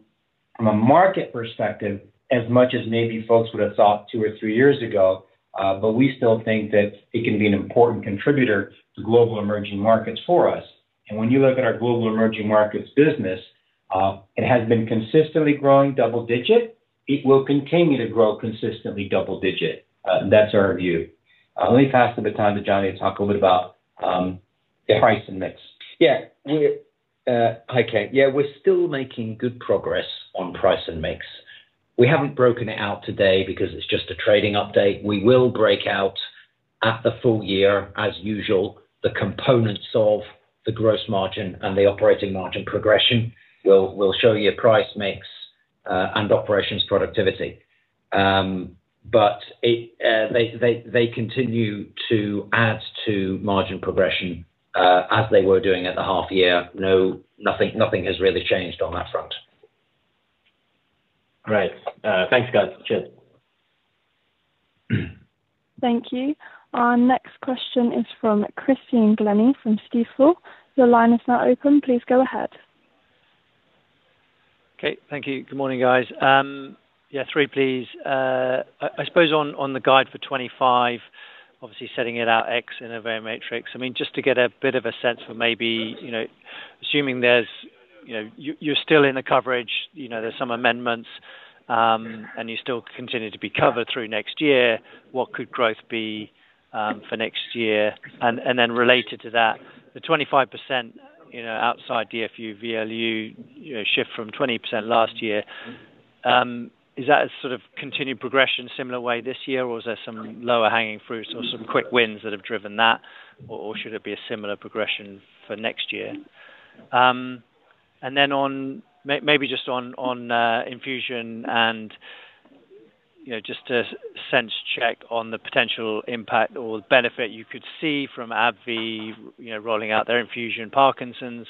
from a market perspective as much as maybe folks would have thought two or three years ago. But we still think that it can be an important contributor to global emerging markets for us. And when you look at our global emerging markets business, it has been consistently growing double digit. It will continue to grow consistently double digit. That's our view. Let me pass the baton to Jonny. To talk a little bit about price and mix. Yeah, hi, Kane. Yeah, we're still making good progress on price and mix. We haven't broken it out today because it's just a trading update. We will break out at the full year as usual. The components of the gross margin and the operating margin progression will show you price mix and operations productivity. But they continue to add to margin progression as they were doing at the half year. No, nothing, nothing has really changed on that front. Great. Thanks guys. Cheers. Thank you. Our next question is from Christian Glennie from Stifel. The line is now open. Please go ahead. Okay, thank you. Good morning, guys. Yeah, three please. I suppose on the guide for 2025, obviously setting it out in InnovaMatrix. I mean, just to get a bit of a sense for maybe, you know, assuming there's, you know, you're still in the coverage, you know, there's some amendments and you still continue to be covered through next year, what could growth be for next year? And then related to that, the 25%, you know, outside DFU VLU shift from 20% last year, is that a sort of continued progression similar way this year? Or is there some lower hanging fruits or some quick wins that have driven that? Or should it be a similar progression for next year? And then on maybe just on Infusion and just a sense check on the potential impact or benefit you could see from AbbVie rolling out their infusion Parkinson's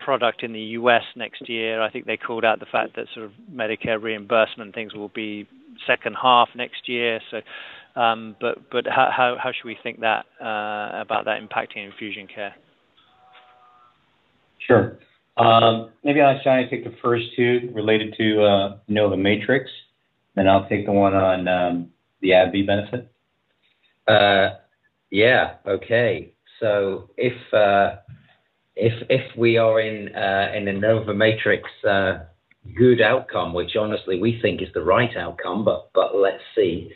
product in the U.S. next year. I think they called out the fact that sort of Medicare reimbursement things will be second half next year. But how should we think about that impacting Infusion Care? Sure, maybe I'll ask Jonny take the first two related to InnovaMatrix, then I'll take the one on the AbbVie benefit. Yeah. Okay, so if we are in InnovaMatrix, good outcome, which honestly we think is the right outcome. But let's see,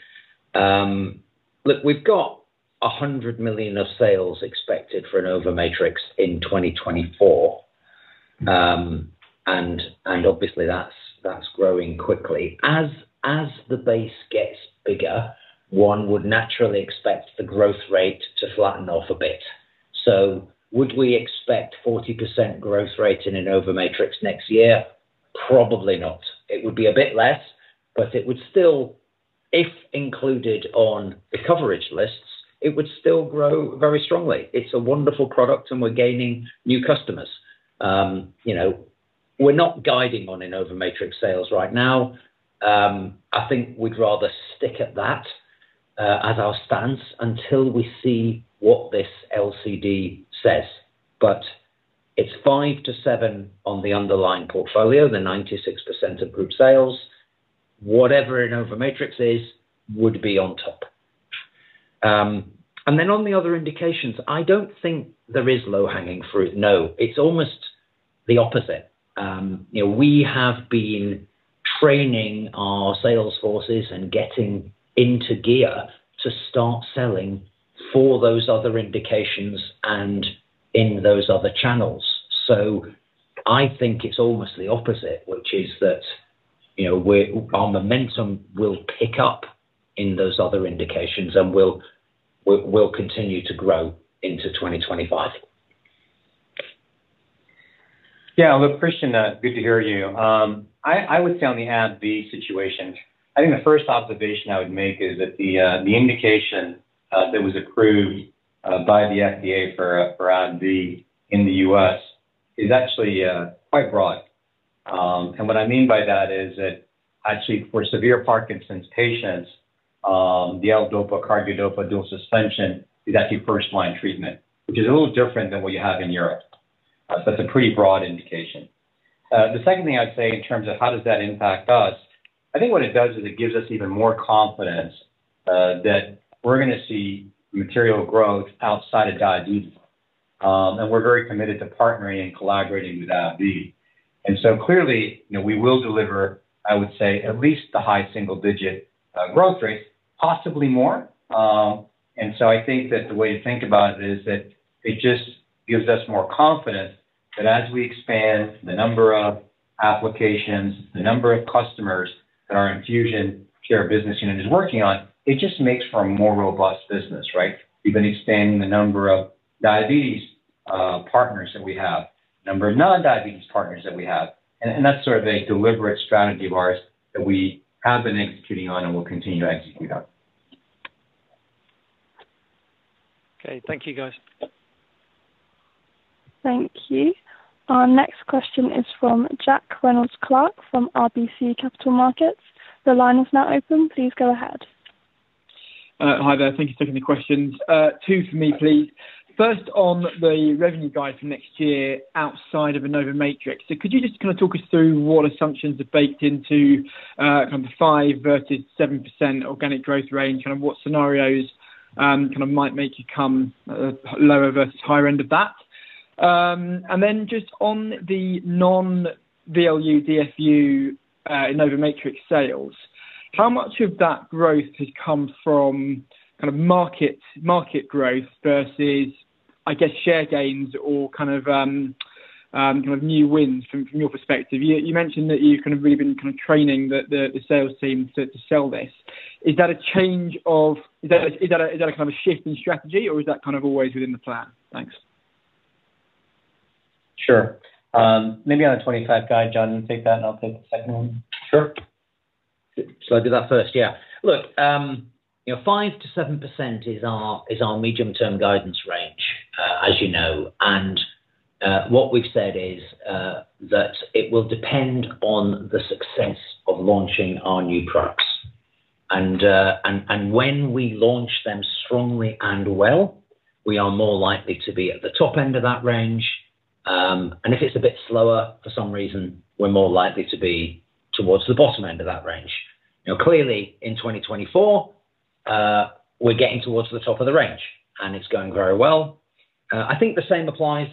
look, we've got $100 million of sales expected for InnovaMatrix in 2024 and obviously that's growing quickly as the base gets bigger one would naturally expect the growth rate to flatten off a bit. So would we expect 40% growth rate in InnovaMatrix next year? Probably not. It would be a bit less, but it would still, if included on the coverage lists, it would still grow very strongly. It's a wonderful product and we're gaining new customers. We're not guiding on InnovaMatrix sales right now. I think we'd rather stick at that as our stance until we see what this LCD says. But it's 5%-7% on the underlying portfolio. The 96% of group sales, whatever InnovaMatrix is, would be on top. And then on the other indications, I don't think there is low hanging fruit. No, it's almost the opposite. We have been training our sales forces and getting into gear to start selling for those other indications and in those other channels. So I think it's almost the opposite, which is that our momentum will pick up in those other indications and will continue to grow into 2025. Yeah. Look, Christian, good to hear you. I would say on the AbbVie situation, I think the first observation I would make is that the indication that was approved by the FDA for AbbVie in the U.S. is actually quite broad. And what I mean by that is that actually for severe Parkinson's patients, the L-dopa carbidopa dual-suspension is actually first-line treatment, which is a little different than what you have in Europe. That's a pretty broad indication. The second thing I'd say in terms of how does that impact us. I think what it does is it gives us even more confidence that we're going to see material growth outside of deep. And we're very committed to partnering and collaborating with AbbVie, and so clearly we will deliver. I would say at least the high single-digit growth rate, possibly more. And so I think that the way to think about it is that it just gives us more confidence that as we expand the number of applications, the number of customers that our Infusion Care business unit is working on, it just makes for a more robust business. Right. We've been expanding the number of diabetes partners that we have, number of non-diabetes partners that we have, and that's sort of a deliberate strategy of ours that we have been executing on and we'll continue to execute on. Okay, thank you guys. Thank you. Our next question is from Jack Reynolds-Clark from RBC Capital Markets. The line is now open. Please go ahead. Hi there. Thank you for taking the questions. Two for me, please. First, on the revenue guide for next year outside of InnovaMatrix. So could you just kind of talk us through what assumptions are baked into 5%-7% organic growth range and what scenarios kind of might make you come lower versus higher end of that. And then just on the non VLU DFU InnovaMatrix sales, how much of that growth has come from kind of market growth versus I guess share gains or kind of new wins from your perspective, you mentioned that you kind of really been kind of training the sales team to sell this. Is that a change of, is that a kind of a shift in strategy or is that kind of always within the plan? Thanks. Sure. Maybe on a 2025 guide. Jon, you take that and I'll take the second one. Sure. So I do that first. Yeah, look, you know, 5%-7% is our medium-term guidance range as you know. And what we've said is that it will depend on the success of launching our new products and when we launch them strongly and well, we are more likely to be at the top end of that range and if it's a bit slower for some reason, we're more likely to be towards the bottom end of that range. Clearly in 2024 we're getting towards the top of the range and it's going very well. I think the same applies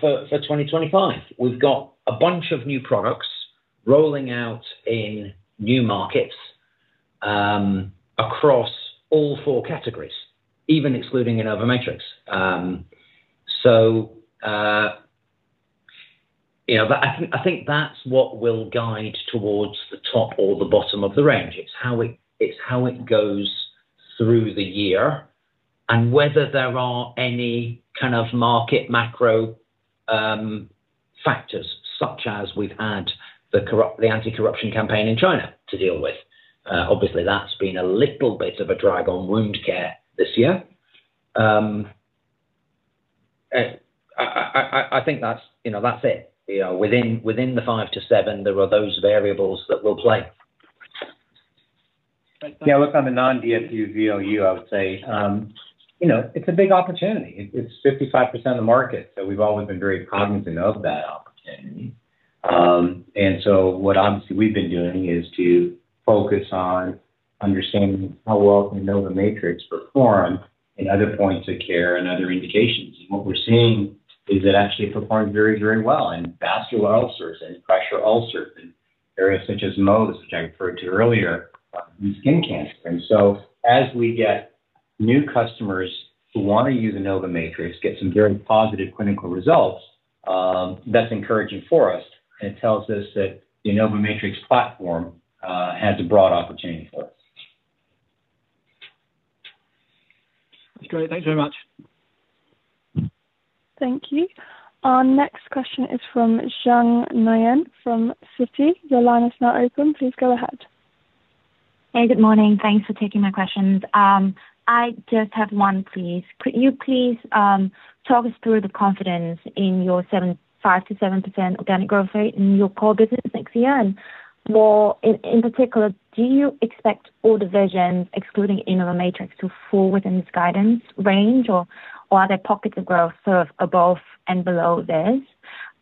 for 2025. We've got a bunch of new products rolling out in new markets across all four categories, even excluding InnovaMatrix. So. You know, I think that's what will guide towards the top or the bottom of the range. It's how, it's how it goes through the year and whether there are any kind of market macro factors such as we've had the corruption, the anti-corruption campaign in China to deal with. Obviously that's been a little bit of a drag on Wound Care this year. I think that's, you know, that's it, you know, within, within the five to seven, there are those variables that will play. Yeah, look on the non-DFU VLU. I would say, you know, it's a. Big opportunity, it's 55% of the market. So we've always been very cognizant of that opportunity. And so what obviously we've been doing is to focus on understanding how well can InnovaMatrix perform in other points of care and other indications. What we're seeing is it actually performs very, very well in vascular ulcers and pressure ulcers in areas such as Mohs, which I referred to earlier in skin cancer. And so as we get new customers who want to use InnovaMatrix, get some very positive clinical results. That's encouraging for us and it tells us that the InnovaMatrix platform has a broad opportunity for us. That's great. Thanks very much. Thank you. Our next question is from Giang Nguyen from Citi. Your line is now open. Please go ahead. Hey, good morning. Thanks for taking my questions. I just have one. Please. Could you please talk us through the confidence in your 5%-7% organic growth rate in your core business next year and more? In particular, do you expect all divisions excluding InnovaMatrix to fall within this guidance range or are there pockets of growth sort of above and below this?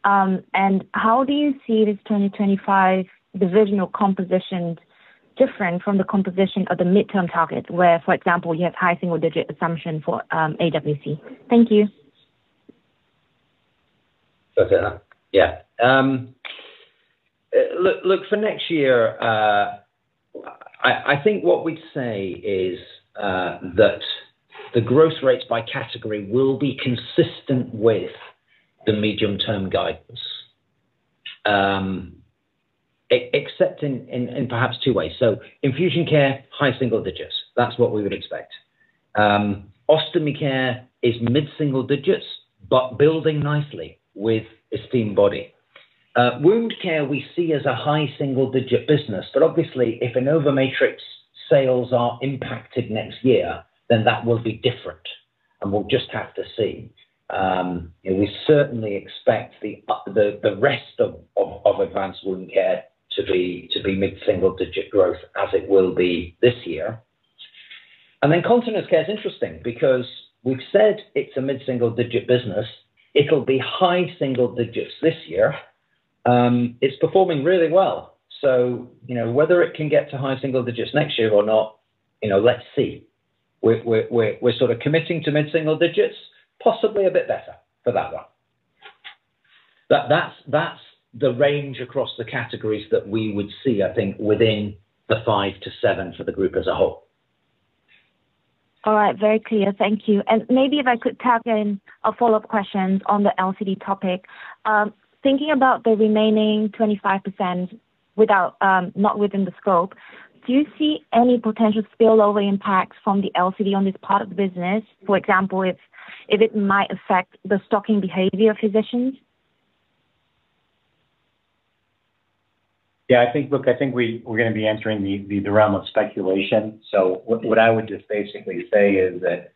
And how do you see this 2025 divisional composition different from the composition of the mid-term target where, for example, you have high single digit assumption for AWC? Thank you. Yeah, look for next year I think what we'd say is that the growth rates by category will be consistent with the medium term guidance, except in perhaps two ways. So Infusion Care, high single digits, that's what we would expect. Ostomy Care is mid single digits, but building nicely with Esteem Body. Wound Care we see as a high single digit business. But obviously if InnovaMatrix sales are impacted next year, then that will be different and we'll just have to see. We certainly expect the rest of Advanced Wound Care to be mid single digit growth as it will be this year. And then Continence Care is interesting because we've said it's a mid single digit business. It'll be high single digits this year. It's performing really well. Whether it can get to high single digits next year or not, let's see, we're sort of committing to mid single digits, possibly a bit better for that one. That's the range across the categories that we would see, I think within the five to seven for the group as a whole. All right, very clear, thank you. And maybe if I could tap in a follow up question on the LCD topic, thinking about the remaining 25%, not within the scope, do you see any potential spillover impacts from the LCD on this part of the business? For example, if it might affect the stocking behavior of physicians? Yeah, I think, look, I think we're going to be entering the realm of speculation. So what I would just basically say is that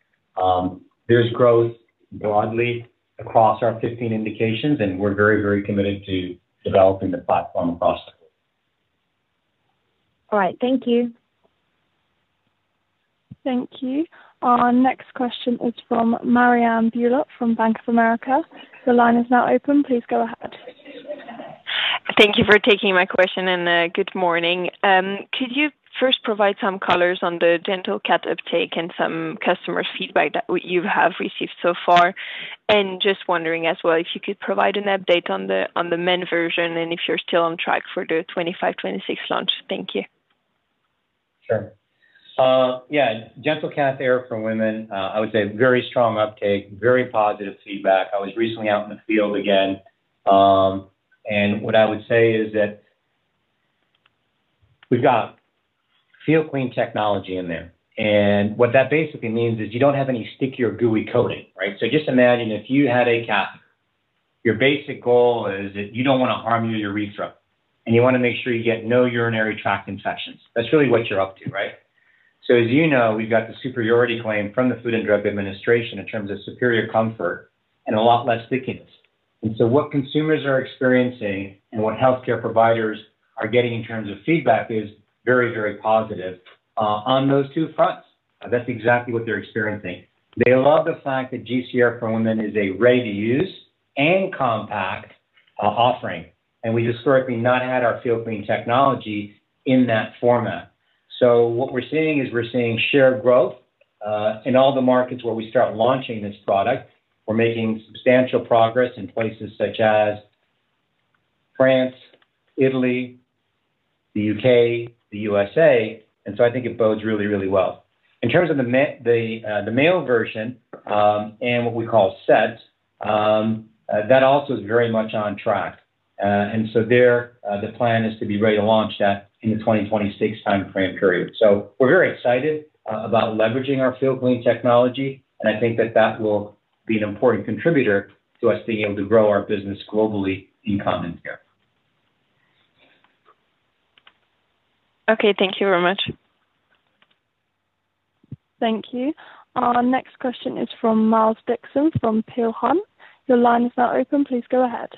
there's growth broadly across our 15 indications and we're very, very committed to developing the platform across the board. All right, thank you. Thank you. Our next question is from Marianne Bulot from Bank of America. The line is now open. Please go ahead. Thank you for taking my question and good morning. Could you first provide some colors on the GentleCath uptake and some customer feedback that you have received so far. And just wondering as well if you could provide an update on the men's version and if you're still on track for the 2025, 2026 launch. Thank you. Sure. Yeah. GentleCath Air for Women. I would say very strong uptake, very positive feedback. I was recently out in the field again and what I would say is. That. We've got FeelClean Technology in there and what that basically means is you don't have any sticky or gooey coating. Right. So just imagine if you had a catheter. Your basic goal is that you don't want to harm your urethra and you want to make sure you get no urinary tract infections. That's really what you're up to. Right. So as you know, we've got the superiority claim from the Food and Drug Administration in terms of superior comfort and a lot less stickiness. And so what consumers are experiencing and what healthcare providers are getting in terms of feedback is very, very positive on those two fronts. That's exactly what they're experiencing. They love the fact that GCA for Women is a ready to use and compact offering. And we historically not had our FeelClean Technology in that format. So what we're seeing is shared growth in all the markets where we start launching this product. We're making substantial progress in places such as France, Italy, the U.K., the U.S.A. And so I think it bodes really, really well in terms of the male version and what we call it. That also is very much on track. And so there the plan is to be ready to launch that in the 2026 timeframe period. So we're very excited about leveraging our FeelClean Technology and I think that that will be an important contributor to us being able to grow our business globally in Continence Care. Okay, thank you very much. Thank you. Our next question is from Miles Dixon from Peel Hunt. Your line is now open. Please go ahead.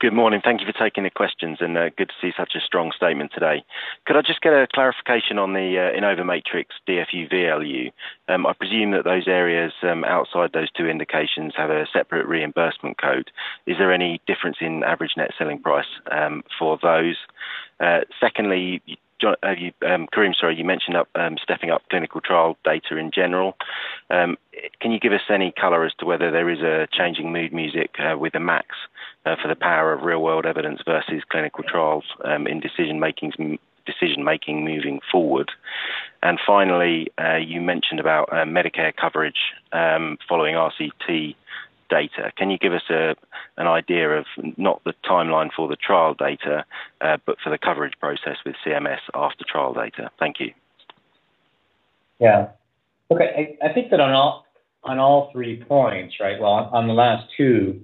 Good morning. Thank you for taking the questions and good to see such a strong statement today. Could I just get a clarification on the InnovaMatrix? DFU, VLU? I presume that those areas outside those two indications have a separate reimbursement code. Is there any difference in average net selling price for those? Secondly, Karim, sorry, you mentioned stepping up clinical trial data in general. Can you give us any color as to whether there is a changing mood music with the MACs for the power of real world evidence versus clinical trials in decision making moving forward and finally, you mentioned about Medicare coverage following RCT data. Can you give us an idea of not the timeline for the trial data, but for the coverage process with CMS after trial data? Thank you. Yeah. Okay. I think that on all three points, right. Well, on the last two,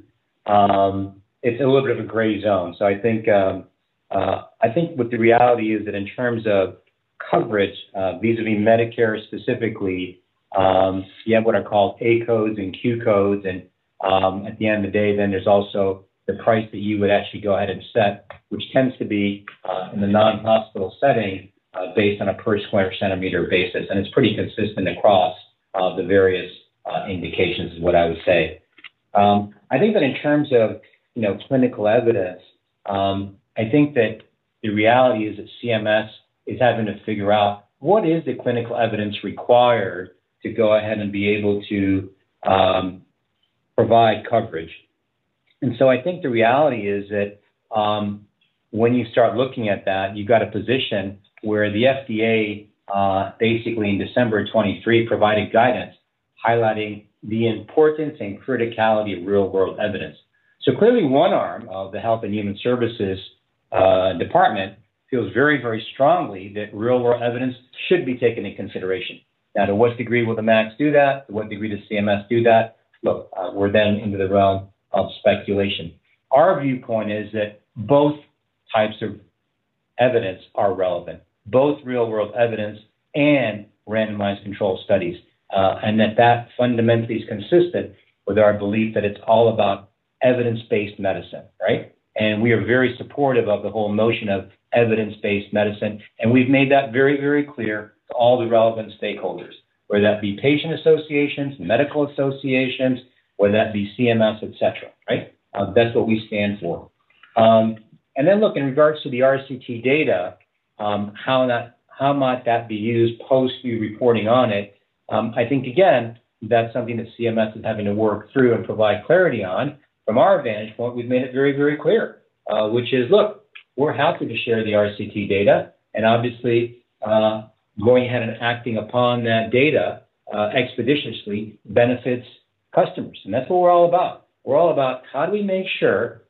it's a little bit of a gray zone. So I think what the reality is that in terms of coverage vis-à-vis Medicare specifically, you have what are called A codes and Q codes. And at the end of the day then there's also the price that you would actually go ahead and set, which tends to be in the non-hospital setting based on a per square centimeter basis. And it's pretty consistent across the various indications is what I would say. I think that in terms of clinical evidence, I think that the reality is that CMS is having to figure out what is the clinical evidence required to go ahead and be able to provide coverage. And so I think the reality is that when you start looking at that, you've got a position where the FDA basically in December 23rd provided guidance highlighting the importance and criticality of real-world evidence. So clearly one arm of the Health and Human Services Department feels very, very strongly that real-world evidence should be taken into consideration. Now, to what degree will the MACs do that? To what degree does CMS do that? Look, we're then into the realm of speculation. Our viewpoint is that both types of evidence are relevant, both real-world evidence and randomized controlled studies, and that that fundamentally is consistent with our belief that it's all about evidence-based medicine. Right. And we are very supportive of the whole notion of evidence-based medicine. We've made that very, very clear to all the relevant stakeholders, whether that be patient associations, medical associations, whether that be CMS, et cetera. Right. That's what we stand for. And then look in regards to the RCT data, how might that be used post the reporting on it? I think again, that's something that CMS is having to work through and provide clarity on. From our vantage point, we've made it very, very clear, which is, look, we're happy to share the RCT data and obviously going ahead and acting upon that data expeditiously benefits customers. And that's what we're all about. We're all about how do we make sure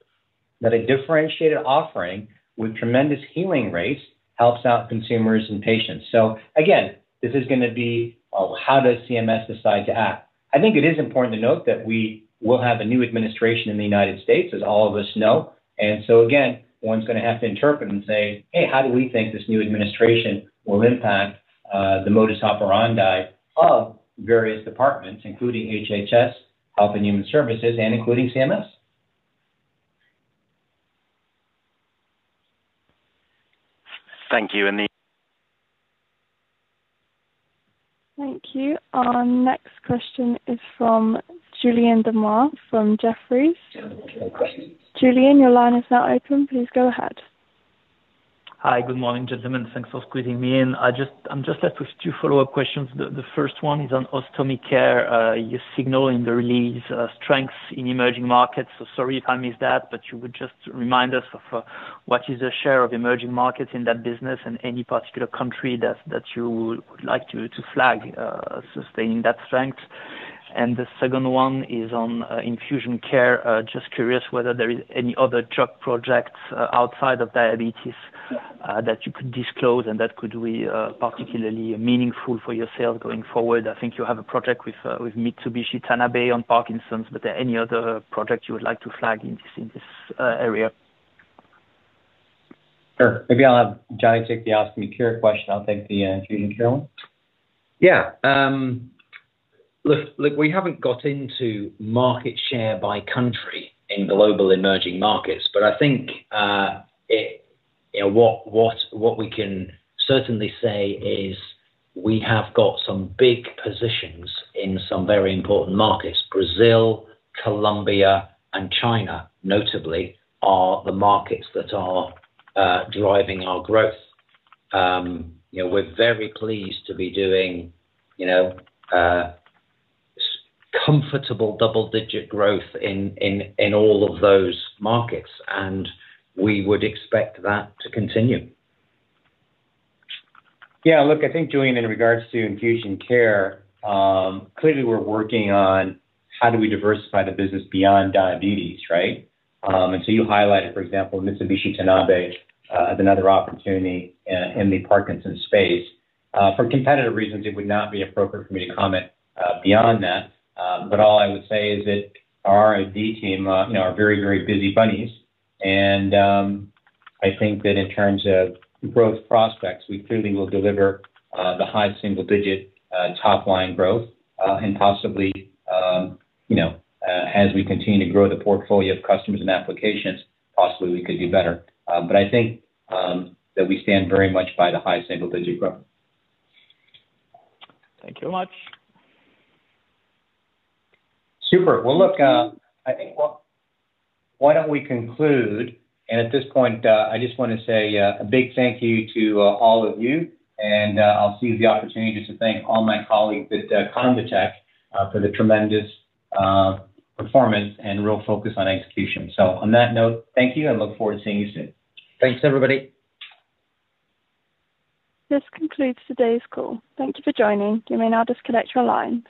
that a differentiated offering with tremendous healing rates helps out consumers and patients. So again, this is going to be, how does CMS decide to act? I think it is important to note that we will have a new administration in the United States. As all of us know and so again, one's going to have to interpret and say, hey, how do we think this new administration will impact the modus operandi of various departments including HHS, Health and Human Services and including CMS. Thank you. Thank you. Our next question is from Julien Dormois from Jefferies. Julien, your line is now open. Please go ahead. Hi, good morning, gentlemen. Thanks for squeezing me in. I'm just left with two follow-up questions. The first one is on Ostomy Care. You signal in the release strengths in emerging markets. So sorry if I missed that, but you would just remind us of what is the share of emerging markets in that business and any particular country that you would like to flag sustaining that strength. And the second one is on Infusion Care. Just curious whether there is any other drug projects outside of diabetes that you could disclose and that could be particularly meaningful for yourself going forward. I think you have a project with Mitsubishi Tanabe on Parkinson's, but any other project you would like to flag in this area, maybe. I'll have Jonny take the Ostomy Care question. I'll take the Infusion Care Yeah. Look, we haven't got into market share by country in global emerging markets, but I think what we can certainly say is we have got some big positions in some very important markets. Brazil, Colombia and China notably are the markets that are driving our growth. We're very pleased to be doing comfortable double digit growth in all of those markets and we would expect that to continue. Yeah, look, I think Julien, in regards to Infusion Care, clearly we're working on how do we diversify the business beyond diabetes. Right. And so you highlighted for example Mitsubishi Tanabe another opportunity in the Parkinson's space for competitive reasons. It would not be appropriate for me to comment beyond that. But all I would say is that our R&D team are very, very busy bodies and I think that in terms of growth prospects, we clearly will deliver the high single digit top line growth and possibly, you know, as we continue to grow the portfolio of customers and applications, possibly we could do better. But I think that we stand very much by the high single digit growth. Thank you very much. Super. Well, look, I think why don't we conclude and at this point I just want to say a big thank you to all of you and I'll seize the opportunity to thank all my colleagues at Convatec for the tremendous performance and real focus on execution. So on that note, thank you and look forward to seeing you soon. Thanks everybody. This concludes today's call. Thank you for joining. You may now disconnect your lines.